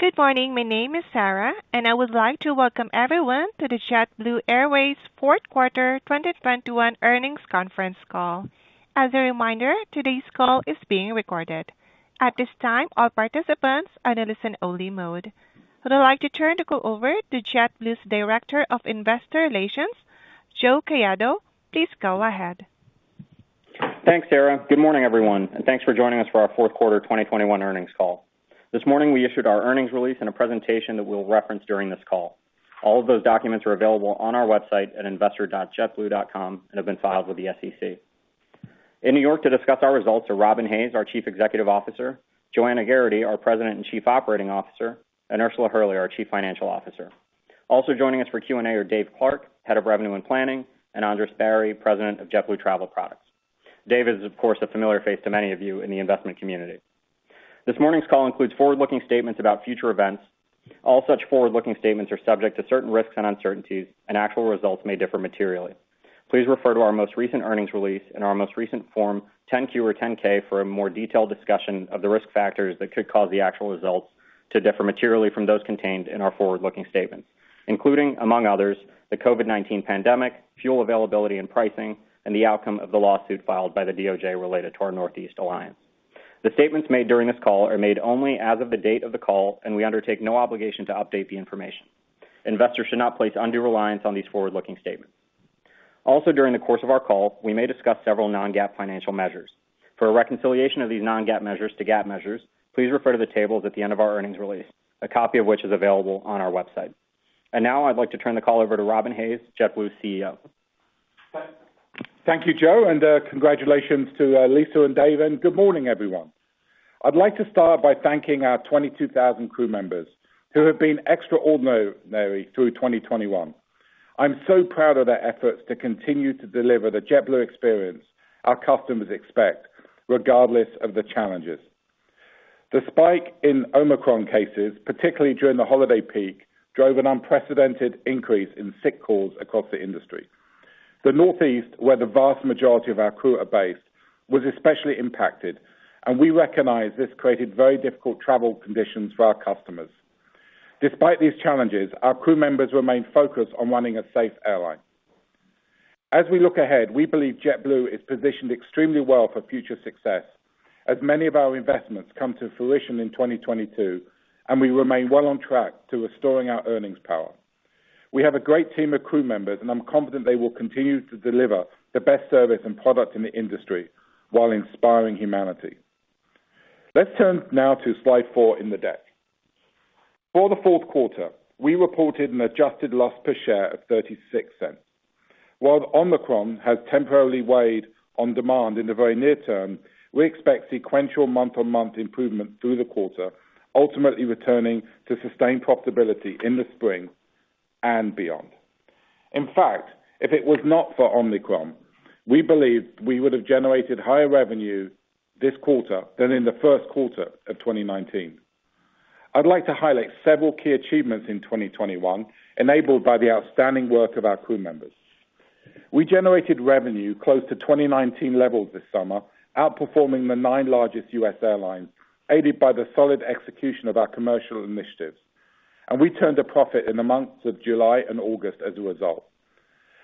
Good morning. My name is Sarah, and I would like to welcome everyone to the JetBlue Airways Q4 2021 earnings conference call. As a reminder, today's call is being recorded. At this time, all participants are in listen only mode. I'd like to turn the call over to JetBlue's Director of Investor Relations, Joe Caiado. Please go ahead. Thanks, Sarah. Good morning, everyone, and thanks for joining us for our Q4 2021 earnings call. This morning we issued our earnings release and a presentation that we'll reference during this call. All of those documents are available on our website at investor.jetblue.com and have been filed with the SEC. In New York to discuss our results are Robin Hayes, our Chief Executive Officer, Joanna Geraghty, our President and Chief Operating Officer, and Ursula Hurley, our Chief Financial Officer. Also joining us for Q&A are Dave Clark, Head of Revenue and Planning, and Andres Barry, President of JetBlue Travel Products. Dave is of course a familiar face to many of you in the investment community. This morning's call includes forward-looking statements about future events. All such forward-looking statements are subject to certain risks and uncertainties, and actual results may differ materially. Please refer to our most recent earnings release and our most recent 10-Q or 10-K for a more detailed discussion of the risk factors that could cause the actual results to differ materially from those contained in our forward-looking statements, including, among others, the COVID-19 pandemic, fuel availability and pricing, and the outcome of the lawsuit filed by the DOJ related to our Northeast Alliance. The statements made during this call are made only as of the date of the call, and we undertake no obligation to update the information. Investors should not place undue reliance on these forward-looking statements. Also, during the course of our call, we may discuss several non-GAAP financial measures. For a reconciliation of these non-GAAP measures to GAAP measures, please refer to the tables at the end of our earnings release, a copy of which is available on our website. Now I'd like to turn the call over to Robin Hayes, JetBlue's CEO. Thank you, Joe, and congratulations to Lisa and Dave. Good morning, everyone. I'd like to start by thanking our 22,000 crew members who have been extraordinary through 2021. I'm so proud of their efforts to continue to deliver the JetBlue experience our customers expect, regardless of the challenges. The spike in Omicron cases, particularly during the holiday peak, drove an unprecedented increase in sick calls across the industry. The Northeast, where the vast majority of our crew are based, was especially impacted, and we recognize this created very difficult travel conditions for our customers. Despite these challenges, our crew members remained focused on running a safe airline. As we look ahead, we believe JetBlue is positioned extremely well for future success as many of our investments come to fruition in 2022, and we remain well on track to restoring our earnings power. We have a great team of crew members, and I'm confident they will continue to deliver the best service and product in the industry while inspiring humanity. Let's turn now to slide four in the deck. For the Q4, we reported an adjusted loss per share of $0.36. While Omicron has temporarily weighed on demand in the very near term, we expect sequential month-on-month improvement through the quarter, ultimately returning to sustained profitability in the spring and beyond. In fact, if it was not for Omicron, we believe we would have generated higher revenue this quarter than in the Q1 of 2019. I'd like to highlight several key achievements in 2021 enabled by the outstanding work of our crew members. We generated revenue close to 2019 levels this summer, outperforming the nine largest U.S. airlines, aided by the solid execution of our commercial initiatives. We turned a profit in the months of July and August as a result.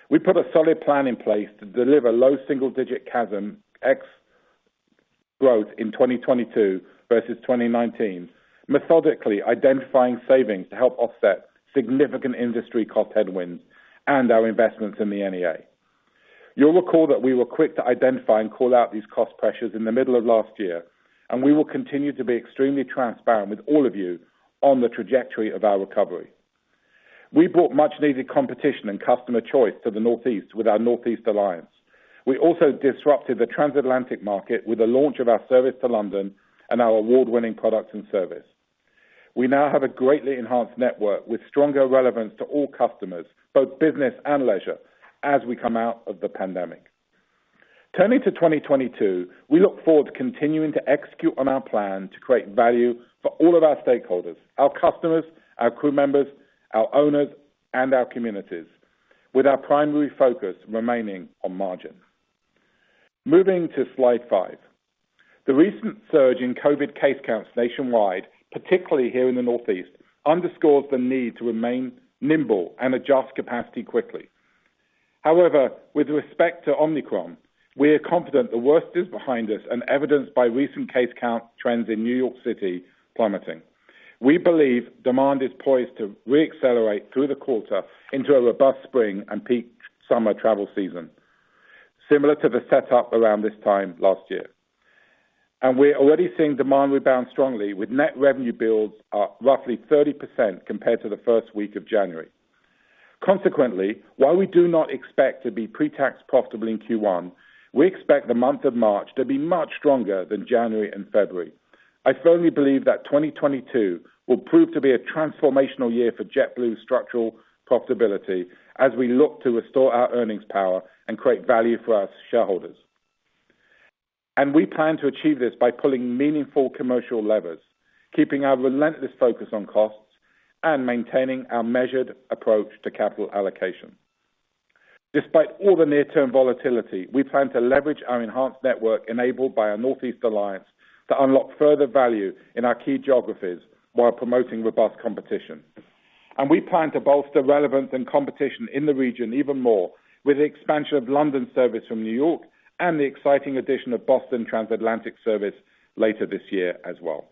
We put a solid plan in place to deliver low single-digit CASM ex-fuel growth in 2022 versus 2019, methodically identifying savings to help offset significant industry cost headwinds and our investments in the NEA. You'll recall that we were quick to identify and call out these cost pressures in the middle of last year, and we will continue to be extremely transparent with all of you on the trajectory of our recovery. We brought much needed competition and customer choice to the Northeast with our Northeast Alliance. We also disrupted the transatlantic market with the launch of our service to London and our award-winning products and service. We now have a greatly enhanced network with stronger relevance to all customers, both business and leisure, as we come out of the pandemic. Turning to 2022, we look forward to continuing to execute on our plan to create value for all of our stakeholders, our customers, our crew members, our owners, and our communities, with our primary focus remaining on margin. Moving to slide five. The recent surge in COVID case counts nationwide, particularly here in the Northeast, underscores the need to remain nimble and adjust capacity quickly. However, with respect to Omicron, we are confident the worst is behind us and evidenced by recent case count trends in New York City plummeting. We believe demand is poised to re-accelerate through the quarter into a robust spring and peak summer travel season, similar to the setup around this time last year. We're already seeing demand rebound strongly with net revenue bills up roughly 30% compared to the first week of January. Consequently, while we do not expect to be pre-tax profitable in Q1, we expect the month of March to be much stronger than January and February. I firmly believe that 2022 will prove to be a transformational year for JetBlue's structural profitability as we look to restore our earnings power and create value for our shareholders. We plan to achieve this by pulling meaningful commercial levers, keeping our relentless focus on costs, and maintaining our measured approach to capital allocation. Despite all the near-term volatility, we plan to leverage our enhanced network enabled by our Northeast Alliance to unlock further value in our key geographies while promoting robust competition. We plan to bolster relevance and competition in the region even more with the expansion of London service from New York and the exciting addition of Boston transatlantic service later this year as well.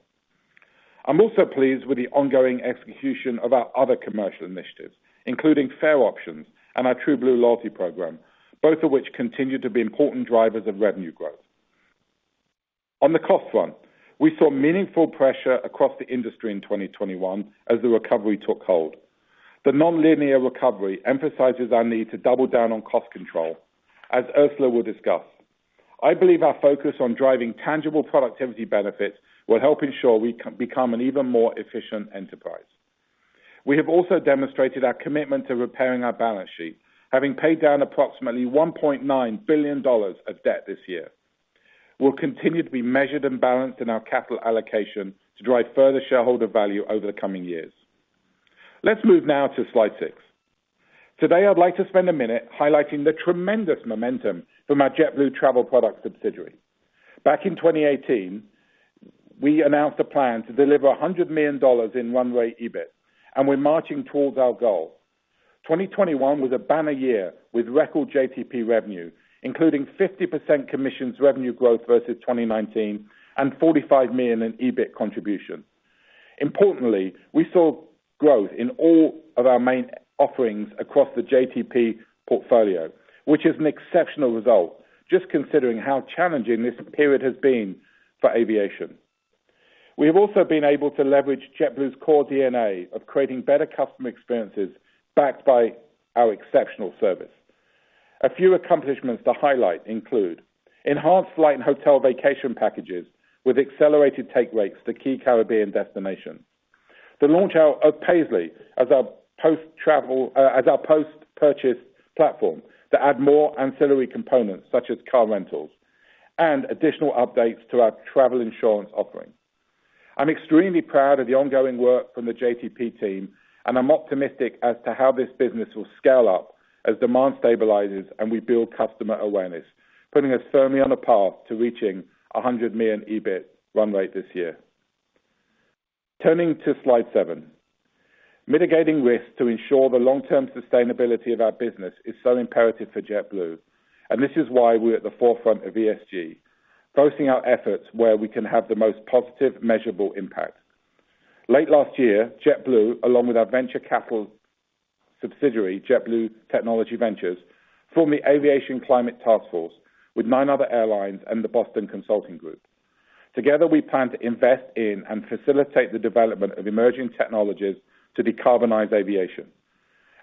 I'm also pleased with the ongoing execution of our other commercial initiatives, including fare options and our TrueBlue loyalty program, both of which continue to be important drivers of revenue growth. On the cost front, we saw meaningful pressure across the industry in 2021 as the recovery took hold. The nonlinear recovery emphasizes our need to double down on cost control, as Ursula will discuss. I believe our focus on driving tangible productivity benefits will help ensure we can become an even more efficient enterprise. We have also demonstrated our commitment to repairing our balance sheet, having paid down approximately $1.9 billion of debt this year. We'll continue to be measured and balanced in our capital allocation to drive further shareholder value over the coming years. Let's move now to slide six. Today, I'd like to spend a minute highlighting the tremendous momentum from our JetBlue Travel Products subsidiary. Back in 2018, we announced a plan to deliver $100 million in run rate EBIT, and we're marching towards our goal. 2021 was a banner year with record JTP revenue, including 50% commissions revenue growth versus 2019 and $45 million in EBIT contribution. Importantly, we saw growth in all of our main offerings across the JTP portfolio, which is an exceptional result just considering how challenging this period has been for aviation. We have also been able to leverage JetBlue's core DNA of creating better customer experiences backed by our exceptional service. A few accomplishments to highlight include enhanced flight and hotel vacation packages with accelerated take rates to key Caribbean destinations. The launch out of Paisly as our post-purchase platform to add more ancillary components such as car rentals, and additional updates to our travel insurance offering. I'm extremely proud of the ongoing work from the JTP team, and I'm optimistic as to how this business will scale up as demand stabilizes and we build customer awareness, putting us firmly on a path to reaching 100 million EBIT run rate this year. Turning to slide seven. Mitigating risk to ensure the long-term sustainability of our business is so imperative for JetBlue, and this is why we're at the forefront of ESG, focusing our efforts where we can have the most positive, measurable impact. Late last year, JetBlue, along with our venture capital subsidiary, JetBlue Technology Ventures, formed the Aviation Climate Taskforce with nine other airlines and the Boston Consulting Group. Together, we plan to invest in and facilitate the development of emerging technologies to decarbonize aviation.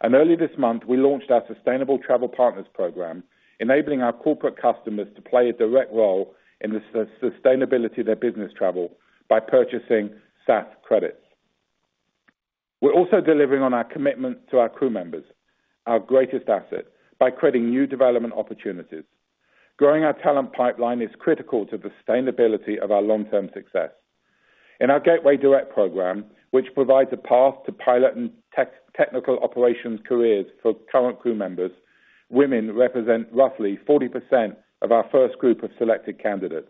Early this month, we launched our Sustainable Travel Partners program, enabling our corporate customers to play a direct role in the sustainability of their business travel by purchasing SAF credits. We're also delivering on our commitment to our crew members, our greatest asset, by creating new development opportunities. Growing our talent pipeline is critical to the sustainability of our long-term success. In our Gateway Direct program, which provides a path to pilot and technical operations careers for current crew members, women represent roughly 40% of our first group of selected candidates,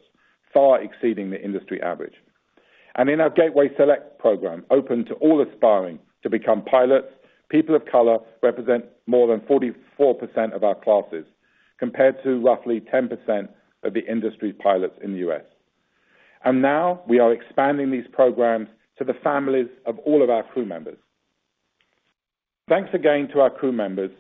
far exceeding the industry average. In our Gateway Select program, open to all aspiring to become pilots, people of color represent more than 44% of our classes, compared to roughly 10% of the industry's pilots in the U.S. Now we are expanding these programs to the families of all of our crew members. Thanks again to our crew members.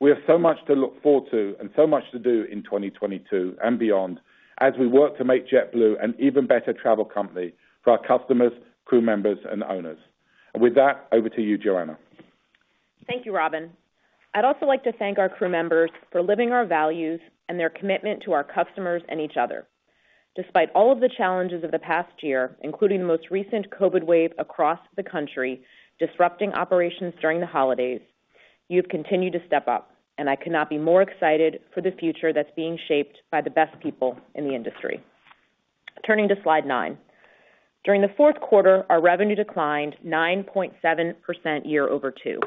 We have so much to look forward to and so much to do in 2022 and beyond as we work to make JetBlue an even better travel company for our customers, crew members, and owners. With that, over to you, Joanna. Thank you, Robin. I'd also like to thank our crew members for living our values and their commitment to our customers and each other. Despite all of the challenges of the past year, including the most recent COVID wave across the country, disrupting operations during the holidays, you've continued to step up, and I could not be more excited for the future that's being shaped by the best people in the industry. Turning to slide nine. During the Q4, our revenue declined 9.7% year-over-two.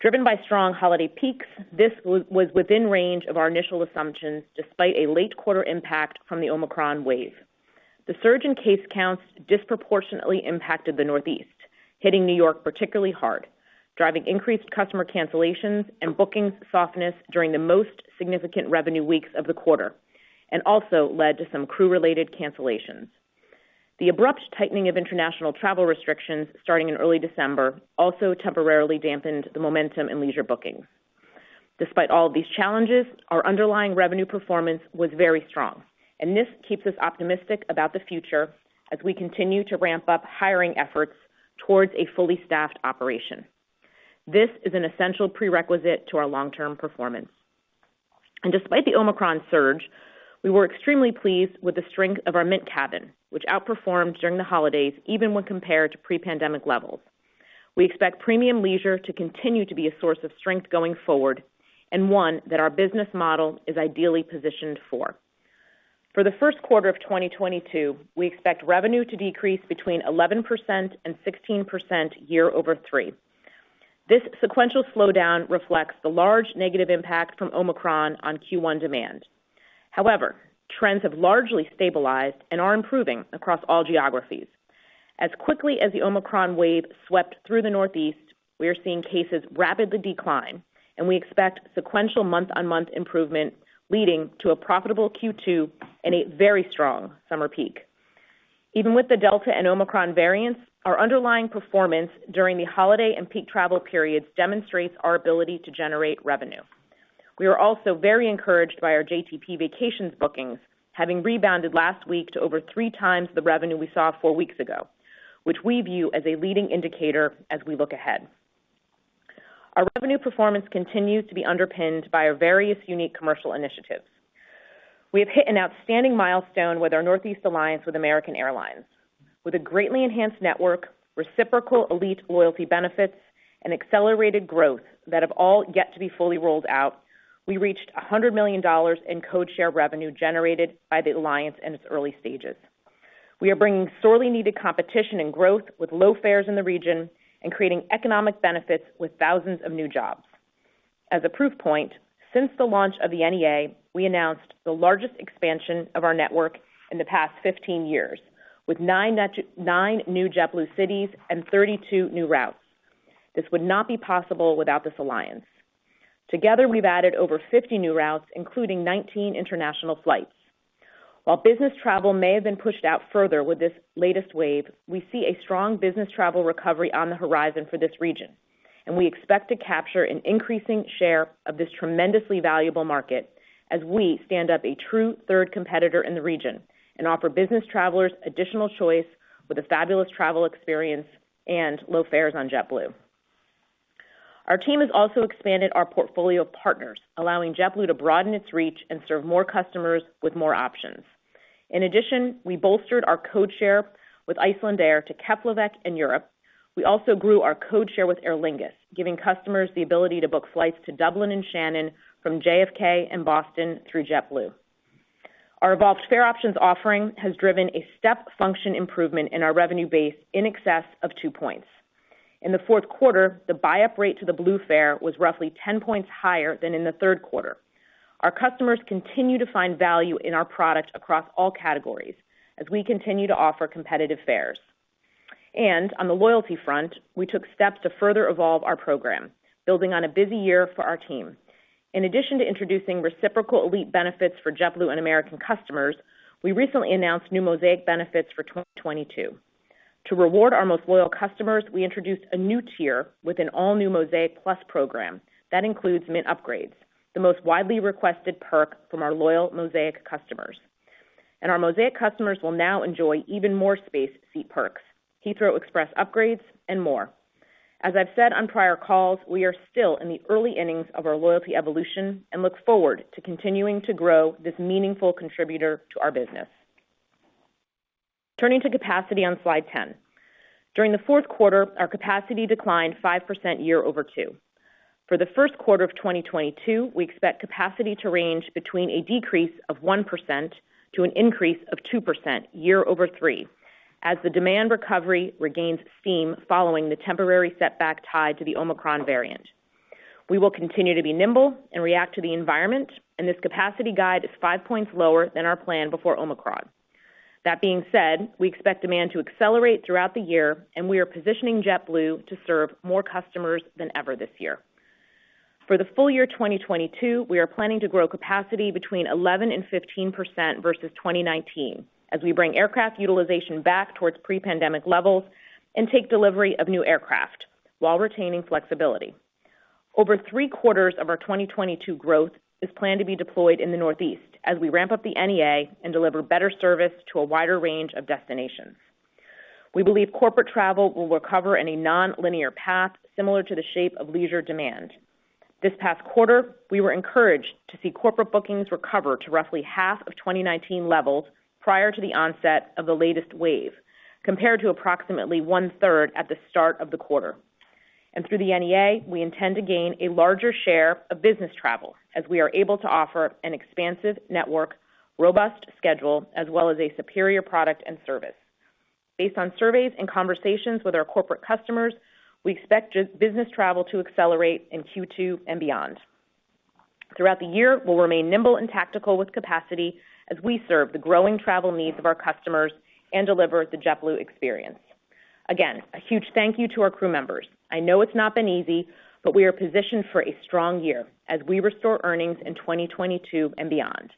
Driven by strong holiday peaks, this was within range of our initial assumptions, despite a late-quarter impact from the Omicron wave. The surge in case counts disproportionately impacted the Northeast, hitting New York particularly hard, driving increased customer cancellations and bookings softness during the most significant revenue weeks of the quarter, and also led to some crew-related cancellations. The abrupt tightening of international travel restrictions starting in early December also temporarily dampened the momentum in leisure bookings. Despite all these challenges, our underlying revenue performance was very strong, and this keeps us optimistic about the future as we continue to ramp up hiring efforts towards a fully staffed operation. This is an essential prerequisite to our long-term performance. Despite the Omicron surge, we were extremely pleased with the strength of our Mint cabin, which outperformed during the holidays, even when compared to pre-pandemic levels. We expect premium leisure to continue to be a source of strength going forward and one that our business model is ideally positioned for. For the Q1 of 2022, we expect revenue to decrease between 11% and 16% year-over-three. This sequential slowdown reflects the large negative impact from Omicron on Q1 demand. However, trends have largely stabilized and are improving across all geographies. As quickly as the Omicron wave swept through the Northeast, we are seeing cases rapidly decline, and we expect sequential month-on-month improvement leading to a profitable Q2 and a very strong summer peak. Even with the Delta and Omicron variants, our underlying performance during the holiday and peak travel periods demonstrates our ability to generate revenue. We are also very encouraged by our JTP vacations bookings, having rebounded last week to over 3x the revenue we saw four weeks ago, which we view as a leading indicator as we look ahead. Our revenue performance continues to be underpinned by our various unique commercial initiatives. We have hit an outstanding milestone with our Northeast Alliance with American Airlines. With a greatly enhanced network, reciprocal elite loyalty benefits, and accelerated growth that have all yet to be fully rolled out, we reached $100 million in code share revenue generated by the alliance in its early stages. We are bringing sorely needed competition and growth with low fares in the region and creating economic benefits with thousands of new jobs. As a proof point, since the launch of the NEA, we announced the largest expansion of our network in the past 15 years, with nine new JetBlue cities and 32 new routes. This would not be possible without this alliance. Together, we've added over 50 new routes, including 19 international flights. While business travel may have been pushed out further with this latest wave, we see a strong business travel recovery on the horizon for this region, and we expect to capture an increasing share of this tremendously valuable market as we stand up a true third competitor in the region and offer business travelers additional choice with a fabulous travel experience and low fares on JetBlue. Our team has also expanded our portfolio of partners, allowing JetBlue to broaden its reach and serve more customers with more options. In addition, we bolstered our codeshare with Icelandair to Keflavík in Europe. We also grew our codeshare with Aer Lingus, giving customers the ability to book flights to Dublin and Shannon from JFK and Boston through JetBlue. Our Evolved Fare Options offering has driven a step function improvement in our revenue base in excess of two points. In the Q4, the buy-up rate to the Blue fare was roughly 10 points higher than in the Q3. Our customers continue to find value in our products across all categories as we continue to offer competitive fares. On the loyalty front, we took steps to further evolve our program, building on a busy year for our team. In addition to introducing reciprocal elite benefits for JetBlue and American customers, we recently announced new Mosaic benefits for 2022. To reward our most loyal customers, we introduced a new tier with an all-new Mosaic+ program that includes Mint upgrades, the most widely requested perk from our loyal Mosaic customers. Our Mosaic customers will now enjoy Even More Space seat perks, Heathrow Express upgrades, and more. As I've said on prior calls, we are still in the early innings of our loyalty evolution and look forward to continuing to grow this meaningful contributor to our business. Turning to capacity on slide 10. During the Q4, our capacity declined 5% year-over-two. For the Q1 of 2022, we expect capacity to range between a decrease of 1% to an increase of 2% year-over-three as the demand recovery regains steam following the temporary setback tied to the Omicron variant. We will continue to be nimble and react to the environment, and this capacity guide is five points lower than our plan before Omicron. That being said, we expect demand to accelerate throughout the year, and we are positioning JetBlue to serve more customers than ever this year. For the full year 2022, we are planning to grow capacity between 11%-15% versus 2019 as we bring aircraft utilization back towards pre-pandemic levels and take delivery of new aircraft while retaining flexibility. Over three-quarters of our 2022 growth is planned to be deployed in the Northeast as we ramp up the NEA and deliver better service to a wider range of destinations. We believe corporate travel will recover in a nonlinear path similar to the shape of leisure demand. This past quarter, we were encouraged to see corporate bookings recover to roughly half of 2019 levels prior to the onset of the latest wave, compared to approximately 1/3 at the start of the quarter. Through the NEA, we intend to gain a larger share of business travel as we are able to offer an expansive network, robust schedule, as well as a superior product and service. Based on surveys and conversations with our corporate customers, we expect just business travel to accelerate in Q2 and beyond. Throughout the year, we'll remain nimble and tactical with capacity as we serve the growing travel needs of our customers and deliver the JetBlue experience. Again, a huge thank you to our crew members. I know it's not been easy, but we are positioned for a strong year as we restore earnings in 2022 and beyond.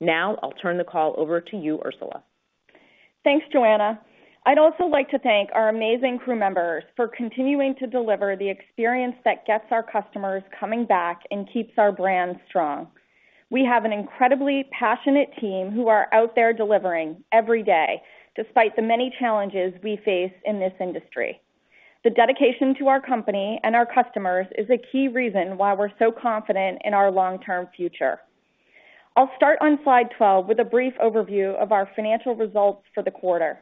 Now I'll turn the call over to you, Ursula. Thanks, Joanna. I'd also like to thank our amazing crew members for continuing to deliver the experience that gets our customers coming back and keeps our brand strong. We have an incredibly passionate team who are out there delivering every day despite the many challenges we face in this industry. The dedication to our company and our customers is a key reason why we're so confident in our long-term future. I'll start on slide 12 with a brief overview of our financial results for the quarter.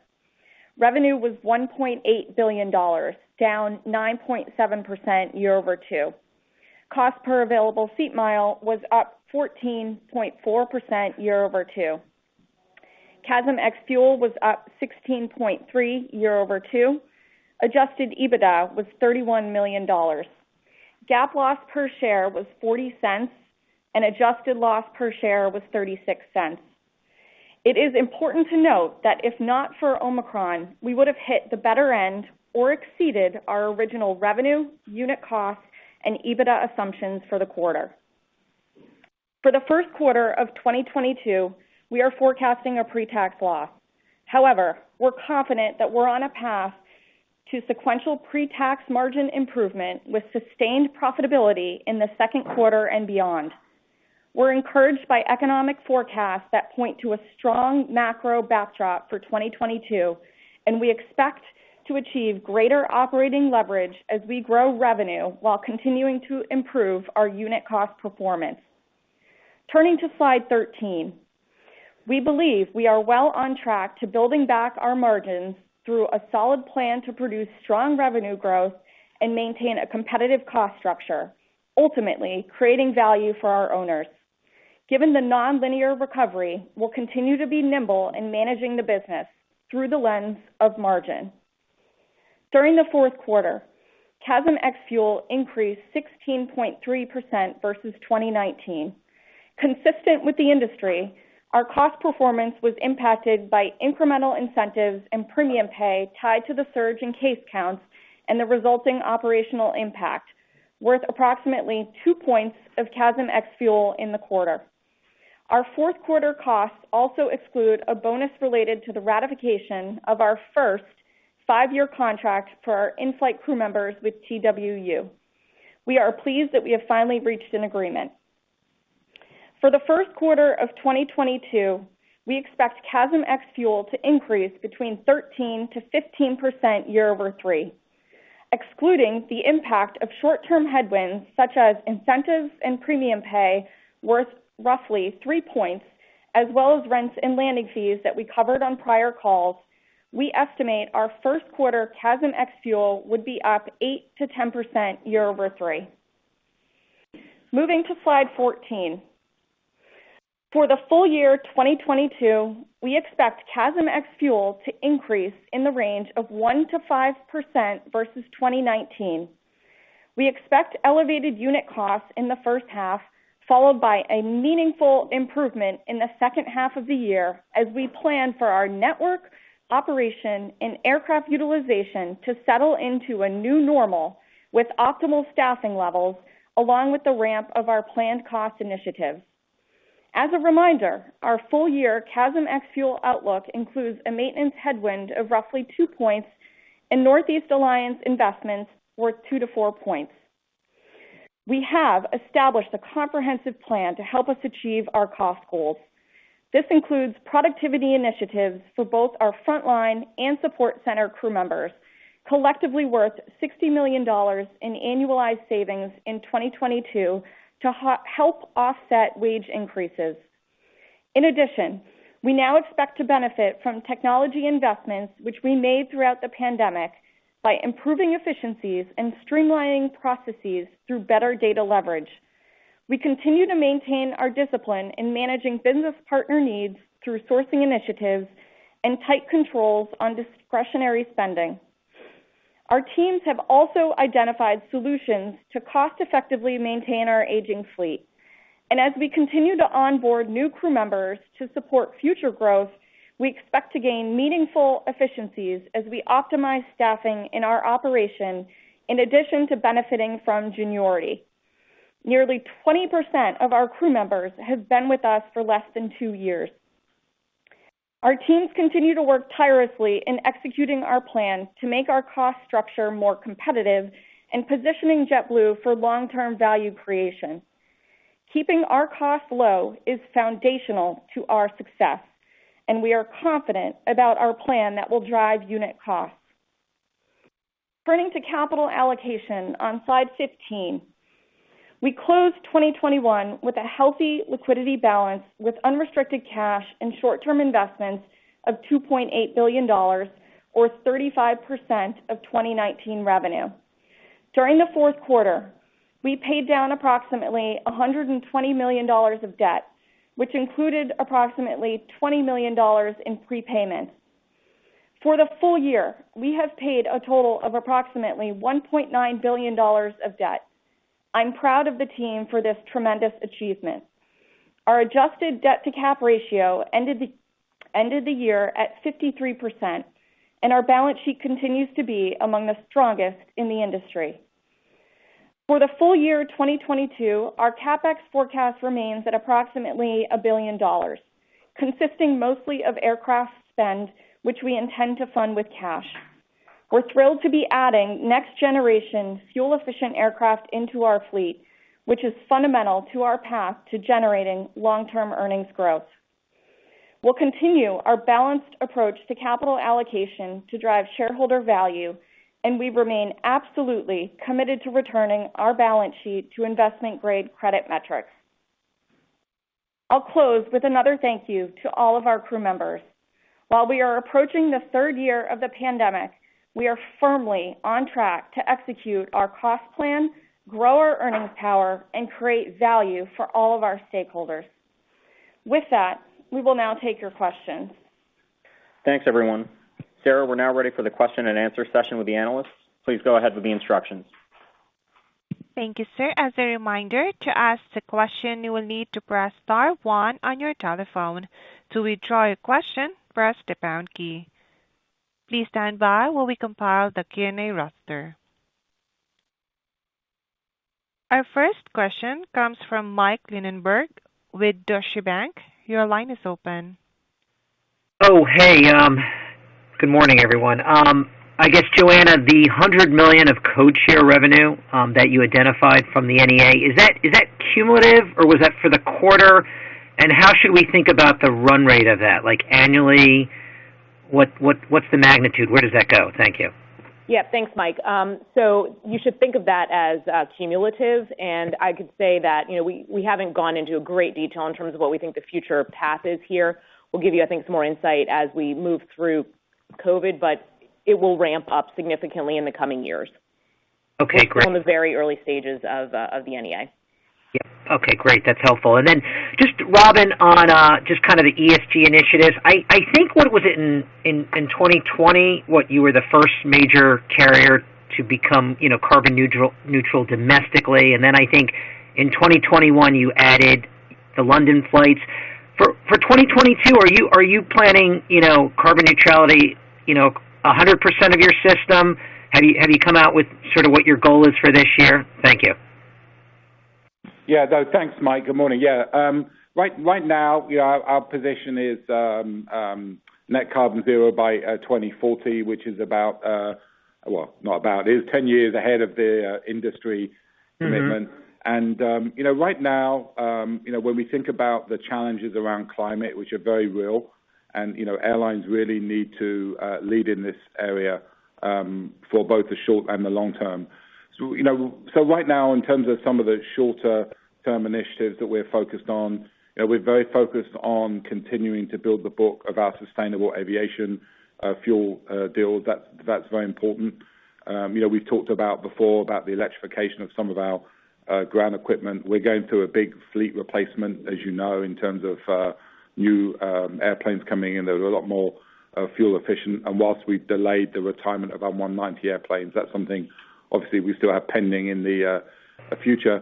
Revenue was $1.8 billion, down 9.7% year-over-two. Cost per available seat mile was up 14.4% year-over-two. CASM ex-fuel was up 16.3% year-over-two. Adjusted EBITDA was $31 million. GAAP loss per share was $0.40 and adjusted loss per share was $0.36. It is important to note that if not for Omicron, we would have hit the better end or exceeded our original revenue, unit cost, and EBITDA assumptions for the quarter. For the Q1 of 2022, we are forecasting a pre-tax loss. However, we're confident that we're on a path to sequential pre-tax margin improvement with sustained profitability in the Q2 and beyond. We're encouraged by economic forecasts that point to a strong macro backdrop for 2022, and we expect to achieve greater operating leverage as we grow revenue while continuing to improve our unit cost performance. Turning to slide 13. We believe we are well on track to building back our margins through a solid plan to produce strong revenue growth and maintain a competitive cost structure, ultimately creating value for our owners. Given the nonlinear recovery, we'll continue to be nimble in managing the business through the lens of margin. During the Q4, CASM ex-fuel increased 16.3% versus 2019. Consistent with the industry, our cost performance was impacted by incremental incentives and premium pay tied to the surge in case counts and the resulting operational impact, worth approximately two points of CASM ex-fuel in the quarter. Our Q4 costs also exclude a bonus related to the ratification of our first five-year contract for our in-flight crew members with TWU. We are pleased that we have finally reached an agreement. For the Q1 of 2022, we expect CASM ex-fuel to increase between 13%-15% year-over-three. Excluding the impact of short-term headwinds such as incentives and premium pay worth roughly three points, as well as rents and landing fees that we covered on prior calls, we estimate our Q1 CASM ex-fuel would be up 8%-10% year-over-three. Moving to slide 14. For the full year 2022, we expect CASM ex-fuel to increase in the range of 1%-5% versus 2019. We expect elevated unit costs in the first half, followed by a meaningful improvement in the second half of the year as we plan for our network operation and aircraft utilization to settle into a new normal with optimal staffing levels along with the ramp of our planned cost initiatives. As a reminder, our full-year CASM ex-fuel outlook includes a maintenance headwind of roughly two points and Northeast Alliance investments worth two-four points. We have established a comprehensive plan to help us achieve our cost goals. This includes productivity initiatives for both our frontline and support center crew members, collectively worth $60 million in annualized savings in 2022 to help offset wage increases. In addition, we now expect to benefit from technology investments which we made throughout the pandemic by improving efficiencies and streamlining processes through better data leverage. We continue to maintain our discipline in managing business partner needs through sourcing initiatives and tight controls on discretionary spending. Our teams have also identified solutions to cost effectively maintain our aging fleet. As we continue to onboard new crew members to support future growth, we expect to gain meaningful efficiencies as we optimize staffing in our operation in addition to benefiting from juniority. Nearly 20% of our crew members have been with us for less than two years. Our teams continue to work tirelessly in executing our plans to make our cost structure more competitive and positioning JetBlue for long-term value creation. Keeping our costs low is foundational to our success, and we are confident about our plan that will drive unit costs. Turning to capital allocation on slide 15. We closed 2021 with a healthy liquidity balance with unrestricted cash and short-term investments of $2.8 billion or 35% of 2019 revenue. During the Q4, we paid down approximately $120 million of debt, which included approximately $20 million in prepayment. For the full year, we have paid a total of approximately $1.9 billion of debt. I'm proud of the team for this tremendous achievement. Our adjusted debt to cap ratio ended the year at 53%, and our balance sheet continues to be among the strongest in the industry. For the full year 2022, our CapEx forecast remains at approximately $1 billion, consisting mostly of aircraft spend, which we intend to fund with cash. We're thrilled to be adding next-generation fuel-efficient aircraft into our fleet, which is fundamental to our path to generating long-term earnings growth. We'll continue our balanced approach to capital allocation to drive shareholder value, and we remain absolutely committed to returning our balance sheet to investment-grade credit metrics. I'll close with another thank you to all of our crew members. While we are approaching the third year of the pandemic, we are firmly on track to execute our cost plan, grow our earnings power, and create value for all of our stakeholders. With that, we will now take your questions. Thanks everyone. Sarah, we're now ready for the question and answer session with the analysts. Please go ahead with the instructions. Thank you, sir. As a reminder, to ask the question, you will need to press star one on your telephone. To withdraw your question, press the pound key. Please stand by while we compile the Q&A roster. Our first question comes from Mike Linenberg with Deutsche Bank. Your line is open. Good morning, everyone. I guess, Joanna, the $100 million of codeshare revenue that you identified from the NEA, is that cumulative, or was that for the quarter? And how should we think about the run rate of that? Like annually, what's the magnitude? Where does that go? Thank you. Yeah. Thanks, Mike. You should think of that as cumulative. I could say that, you know, we haven't gone into a great deal of detail in terms of what we think the future path is here. We'll give you, I think, some more insight as we move through COVID, but it will ramp up significantly in the coming years. Okay, great. From the very early stages of the NEA. Yeah. Okay, great. That's helpful. Then just Robin on just kind of the ESG initiatives. I think what was it in 2020, what you were the first major carrier to become, you know, carbon neutral domestically, and then I think in 2021, you added the London flights. For 2022, are you planning, you know, carbon neutrality, you know, 100% of your system? Have you come out with sort of what your goal is for this year? Thank you. Thanks, Mike. Good morning. Right now, you know, our position is net carbon zero by 2040, which is 10 years ahead of the industry commitment. Mm-hmm. You know, right now, when we think about the challenges around climate, which are very real, and airlines really need to lead in this area for both the short and the long term. You know, right now, in terms of some of the shorter term initiatives that we're focused on, we're very focused on continuing to build the book of our sustainable aviation fuel deal. That's very important. You know, we've talked about before about the electrification of some of our ground equipment. We're going through a big fleet replacement, as you know, in terms of new airplanes coming in that are a lot more fuel efficient. While we've delayed the retirement of our E190 airplanes, that's something obviously we still have pending in the future.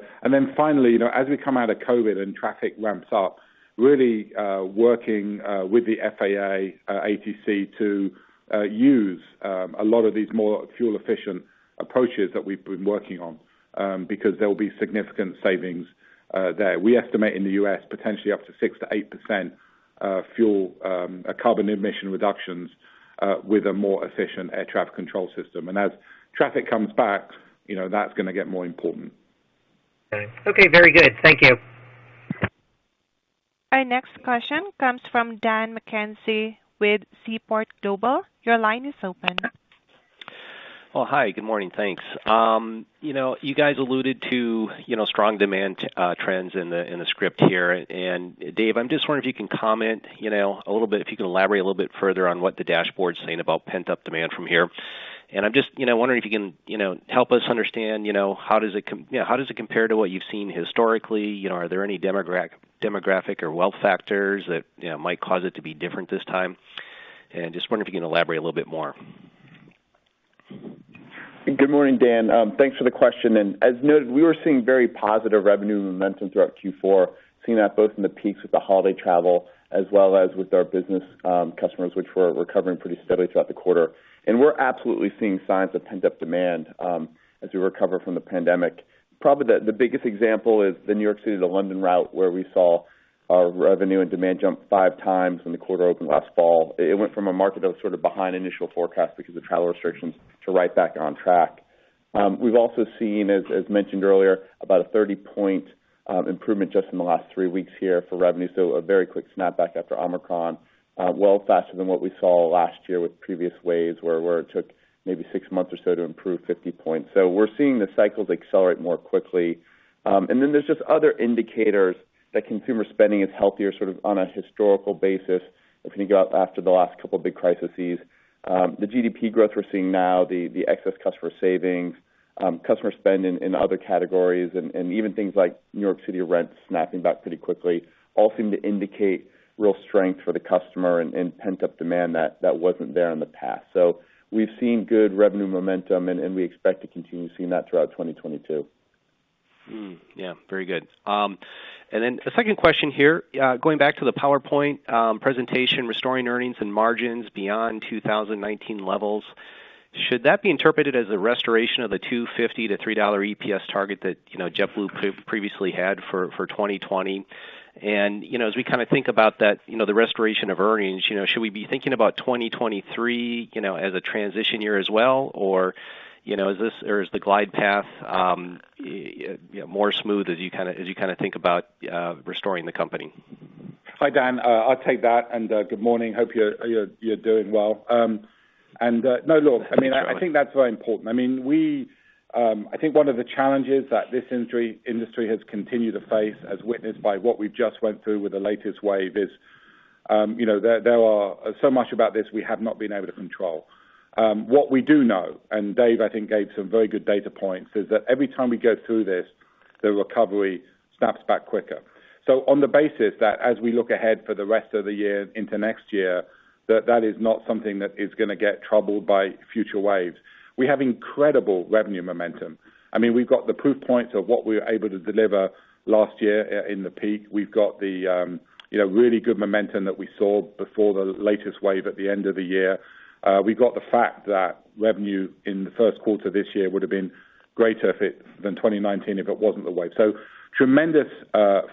Finally, you know, as we come out of COVID and traffic ramps up, really working with the FAA, ATC to use a lot of these more fuel efficient approaches that we've been working on, because there will be significant savings there. We estimate in the U.S., potentially up to 6%-8% fuel carbon emission reductions with a more efficient air traffic control system. As traffic comes back, you know, that's gonna get more important. Okay. Okay, very good. Thank you. Our next question comes from Dan McKenzie with Seaport Global. Your line is open. Well, hi. Good morning. Thanks. You know, you guys alluded to, you know, strong demand trends in the script here. Dave, I'm just wondering if you can comment, you know, a little bit, if you can elaborate a little bit further on what the dashboard is saying about pent-up demand from here. I'm just, you know, wondering if you can, you know, help us understand, you know, how does it compare to what you've seen historically? You know, are there any demographic or wealth factors that, you know, might cause it to be different this time? Just wondering if you can elaborate a little bit more. Good morning, Dan. Thanks for the question. As noted, we were seeing very positive revenue momentum throughout Q4, seeing that both in the peaks with the holiday travel as well as with our business customers, which were recovering pretty steadily throughout the quarter. We're absolutely seeing signs of pent-up demand, as we recover from the pandemic. Probably the biggest example is the New York City to London route, where we saw our revenue and demand jump 5x when the quarter opened last fall. It went from a market that was sort of behind initial forecast because of travel restrictions to right back on track. We've also seen, as mentioned earlier, about a 30-point improvement just in the last three weeks here for revenue. A very quick snapback after Omicron, well faster than what we saw last year with previous waves where it took maybe six months or so to improve 50 points. We're seeing the cycles accelerate more quickly. And then there's just other indicators that consumer spending is healthier, sort of on a historical basis, if you go out after the last couple of big crises. The GDP growth we're seeing now, the excess customer savings, customer spend in other categories, and even things like New York City rent snapping back pretty quickly, all seem to indicate real strength for the customer and pent-up demand that wasn't there in the past. We've seen good revenue momentum, and we expect to continue seeing that throughout 2022. Yeah. Very good. And then a second question here, going back to the PowerPoint presentation, restoring earnings and margins beyond 2019 levels. Should that be interpreted as a restoration of the $2.50-$3 EPS target that, you know, JetBlue previously had for 2020? And, you know, as we kind of think about that, you know, the restoration of earnings, you know, should we be thinking about 2023, you know, as a transition year as well? Or, you know, is this or is the glide path, you know, more smooth as you kinda think about restoring the company? Hi, Dan. I'll take that and good morning. Hope you're doing well. No, look, I mean, I think that's very important. I mean, we I think one of the challenges that this industry has continued to face as witnessed by what we just went through with the latest wave is, you know, there are so much about this we have not been able to control. What we do know, and Dave I think gave some very good data points, is that every time we go through this, the recovery snaps back quicker. On the basis that as we look ahead for the rest of the year into next year, that is not something that is gonna get troubled by future waves. We have incredible revenue momentum. I mean, we've got the proof points of what we were able to deliver last year in the peak. We've got the, you know, really good momentum that we saw before the latest wave at the end of the year. We've got the fact that revenue in the Q1 this year would have been greater than 2019 if it wasn't the wave. Tremendous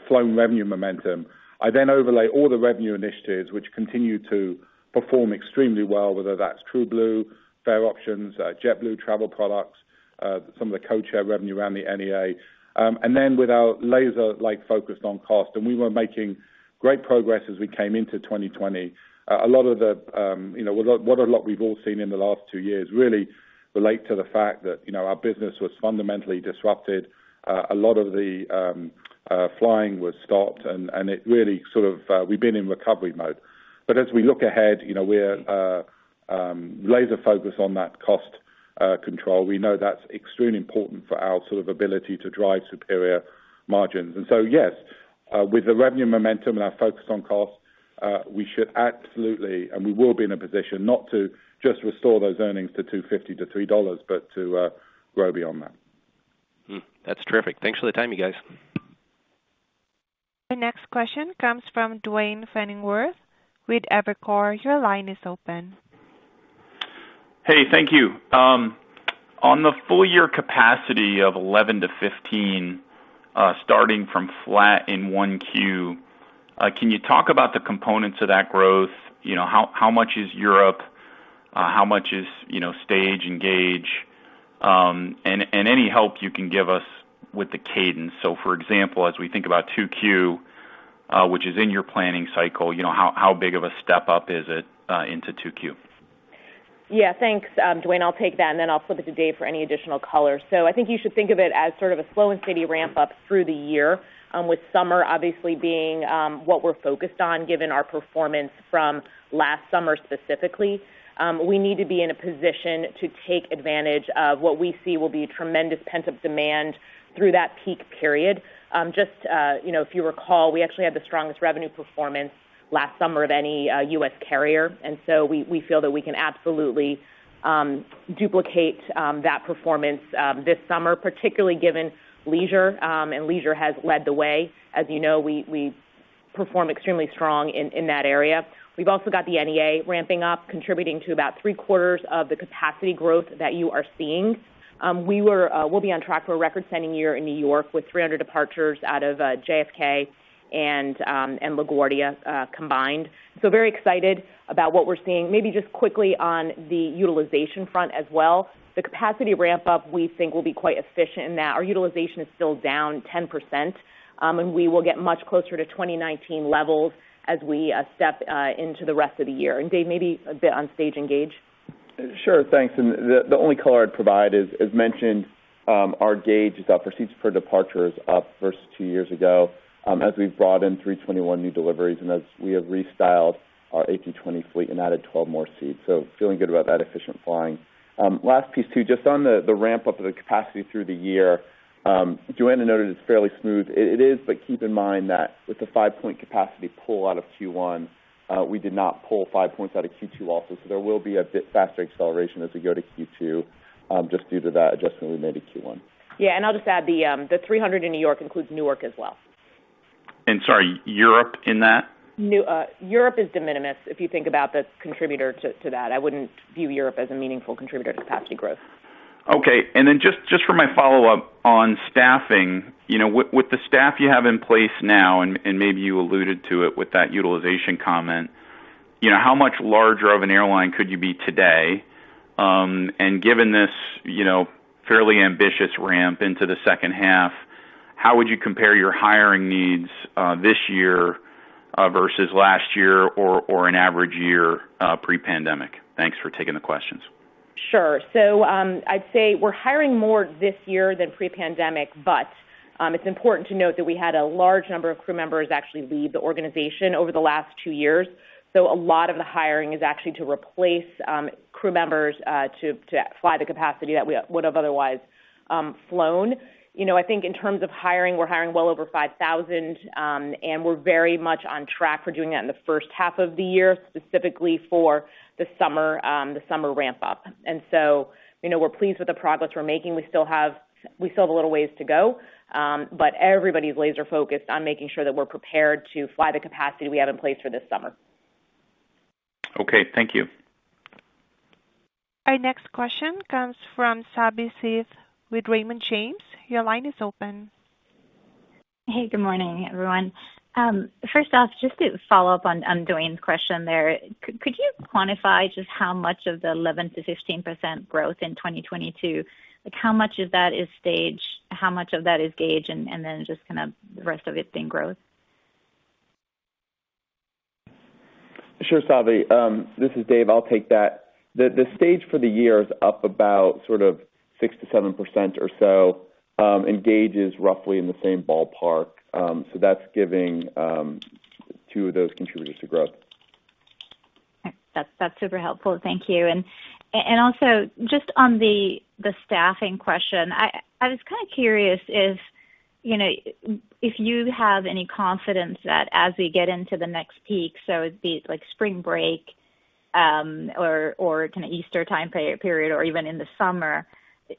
flow in revenue momentum. I then overlay all the revenue initiatives which continue to perform extremely well, whether that's TrueBlue, fare options, JetBlue Travel Products, some of the codeshare revenue around the NEA. And then with our laser-like focus on cost, and we were making great progress as we came into 2020. A lot of what we've all seen in the last two years really relate to the fact that, you know, our business was fundamentally disrupted, a lot of the flying was stopped and it really sort of we've been in recovery mode. As we look ahead, you know, we're laser focused on that cost control. We know that's extremely important for our sort of ability to drive superior margins. Yes, with the revenue momentum and our focus on cost, we should absolutely, and we will be in a position not to just restore those earnings to $2.50-$3, but to grow beyond that. That's terrific. Thanks for the time, you guys. The next question comes from Duane Pfennigwerth with Evercore. Your line is open. Hey, thank you. On the full year capacity of 11%-15%, starting from flat in Q1, can you talk about the components of that growth? You know, how much is Europe? How much is, you know, stage and gauge? And any help you can give us with the cadence. For example, as we think about Q2, which is in your planning cycle, you know, how big of a step up is it into Q2? Yeah. Thanks, Duane. I'll take that, and then I'll flip it to Dave for any additional color. I think you should think of it as sort of a slow and steady ramp up through the year, with summer obviously being what we're focused on, given our performance from last summer specifically. We need to be in a position to take advantage of what we see will be tremendous pent-up demand through that peak period. Just, you know, if you recall, we actually had the strongest revenue performance last summer of any U.S. carrier, and so we feel that we can absolutely duplicate that performance this summer, particularly given leisure, and leisure has led the way. As you know, we perform extremely strong in that area. We've also got the NEA ramping up, contributing to about three-quarters of the capacity growth that you are seeing. We'll be on track for a record-setting year in New York with 300 departures out of JFK and LaGuardia combined. Very excited about what we're seeing. Maybe just quickly on the utilization front as well. The capacity ramp up, we think will be quite efficient in that our utilization is still down 10%, and we will get much closer to 2019 levels as we step into the rest of the year. Dave, maybe a bit on stage and gauge. Sure. Thanks. The only color I'd provide is, as mentioned, our gauge is our proceeds per departure is up versus two years ago, as we've brought in A321 new deliveries and as we have restyled our A320 fleet and added 12 more seats. Feeling good about that efficient flying. Last piece too, just on the ramp-up of the capacity through the year, Joanna noted it's fairly smooth. It is, but keep in mind that with the 5-point capacity pull out of Q1, we did not pull five points out of Q2 also. There will be a bit faster acceleration as we go to Q2, just due to that adjustment we made in Q1. Yeah. I'll just add the 300 in New York includes Newark as well. Sorry, Europe in that? Europe is de minimis if you think about the contributor to that. I wouldn't view Europe as a meaningful contributor to capacity growth. Okay. Just for my follow-up on staffing, you know, with the staff you have in place now, and maybe you alluded to it with that utilization comment, you know, how much larger of an airline could you be today? Given this, you know, fairly ambitious ramp into the second half, how would you compare your hiring needs, this year, versus last year or an average year, pre-pandemic? Thanks for taking the questions. Sure. I'd say we're hiring more this year than pre-pandemic, but it's important to note that we had a large number of crew members actually leave the organization over the last two years. A lot of the hiring is actually to replace crew members to fly the capacity that we would have otherwise flown. You know, I think in terms of hiring, we're hiring well over 5,000 and we're very much on track for doing that in the first half of the year, specifically for the summer ramp-up. You know, we're pleased with the progress we're making. We still have a little ways to go, but everybody's laser focused on making sure that we're prepared to fly the capacity we have in place for this summer. Okay. Thank you. Our next question comes from Savi Syth with Raymond James. Your line is open. Hey, good morning, everyone. First off, just to follow up on Duane's question there. Could you quantify just how much of the 11%-15% growth in 2022? Like, how much of that is stage? How much of that is gauge? Then just kind of the rest of it being growth. Sure, Savi. This is Dave, I'll take that. The Stage for the year is up about sort of 6%-7% or so. Engage is roughly in the same ballpark. That's giving two of those contributors to growth. That's super helpful. Thank you. Also just on the staffing question. I was kinda curious if, you know, if you have any confidence that as we get into the next peak, so it'd be like spring break, or kinda Easter time period or even in the summer,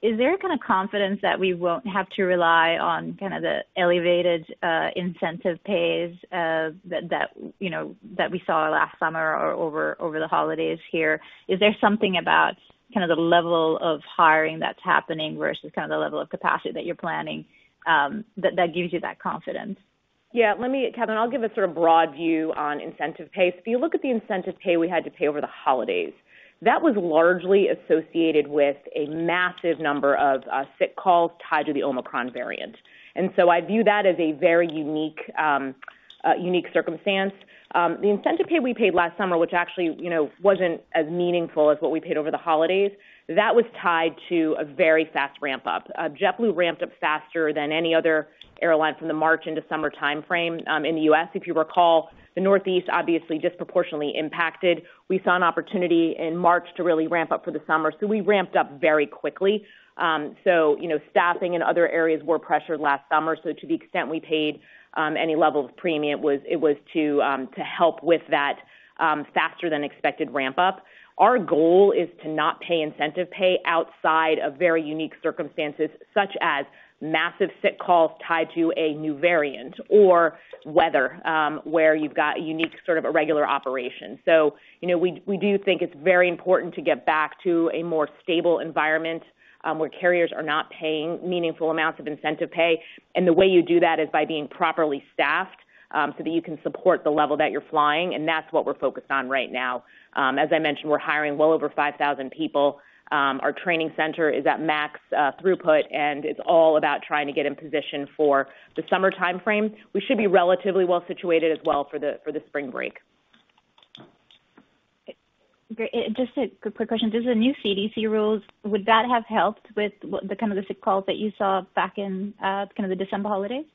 is there kinda confidence that we won't have to rely on kinda the elevated incentive pays that, you know, that we saw last summer or over the holidays here? Is there something about kind of the level of hiring that's happening versus kind of the level of capacity that you're planning that gives you that confidence? Yeah. Kevin, I'll give a sort of broad view on incentive pay. If you look at the incentive pay we had to pay over the holidays, that was largely associated with a massive number of sick calls tied to the Omicron variant. I view that as a very unique circumstance. The incentive pay we paid last summer, which actually, you know, wasn't as meaningful as what we paid over the holidays, that was tied to a very fast ramp-up. JetBlue ramped up faster than any other airline from the March into summer timeframe in the U.S. If you recall, the Northeast obviously disproportionately impacted. We saw an opportunity in March to really ramp up for the summer, so we ramped up very quickly. You know, staffing and other areas were pressured last summer. To the extent we paid any level of premium, it was to help with that faster than expected ramp-up. Our goal is to not pay incentive pay outside of very unique circumstances, such as massive sick calls tied to a new variant or weather, where you've got a unique sort of irregular operation. You know, we do think it's very important to get back to a more stable environment, where carriers are not paying meaningful amounts of incentive pay. The way you do that is by being properly staffed, so that you can support the level that you're flying, and that's what we're focused on right now. As I mentioned, we're hiring well over 5,000 people. Our training center is at max throughput, and it's all about trying to get in position for the summer timeframe. We should be relatively well situated as well for the spring break. Great. Just a quick question. Does the new CDC rules, would that have helped with the kind of sick calls that you saw back in, kind of the December holidays?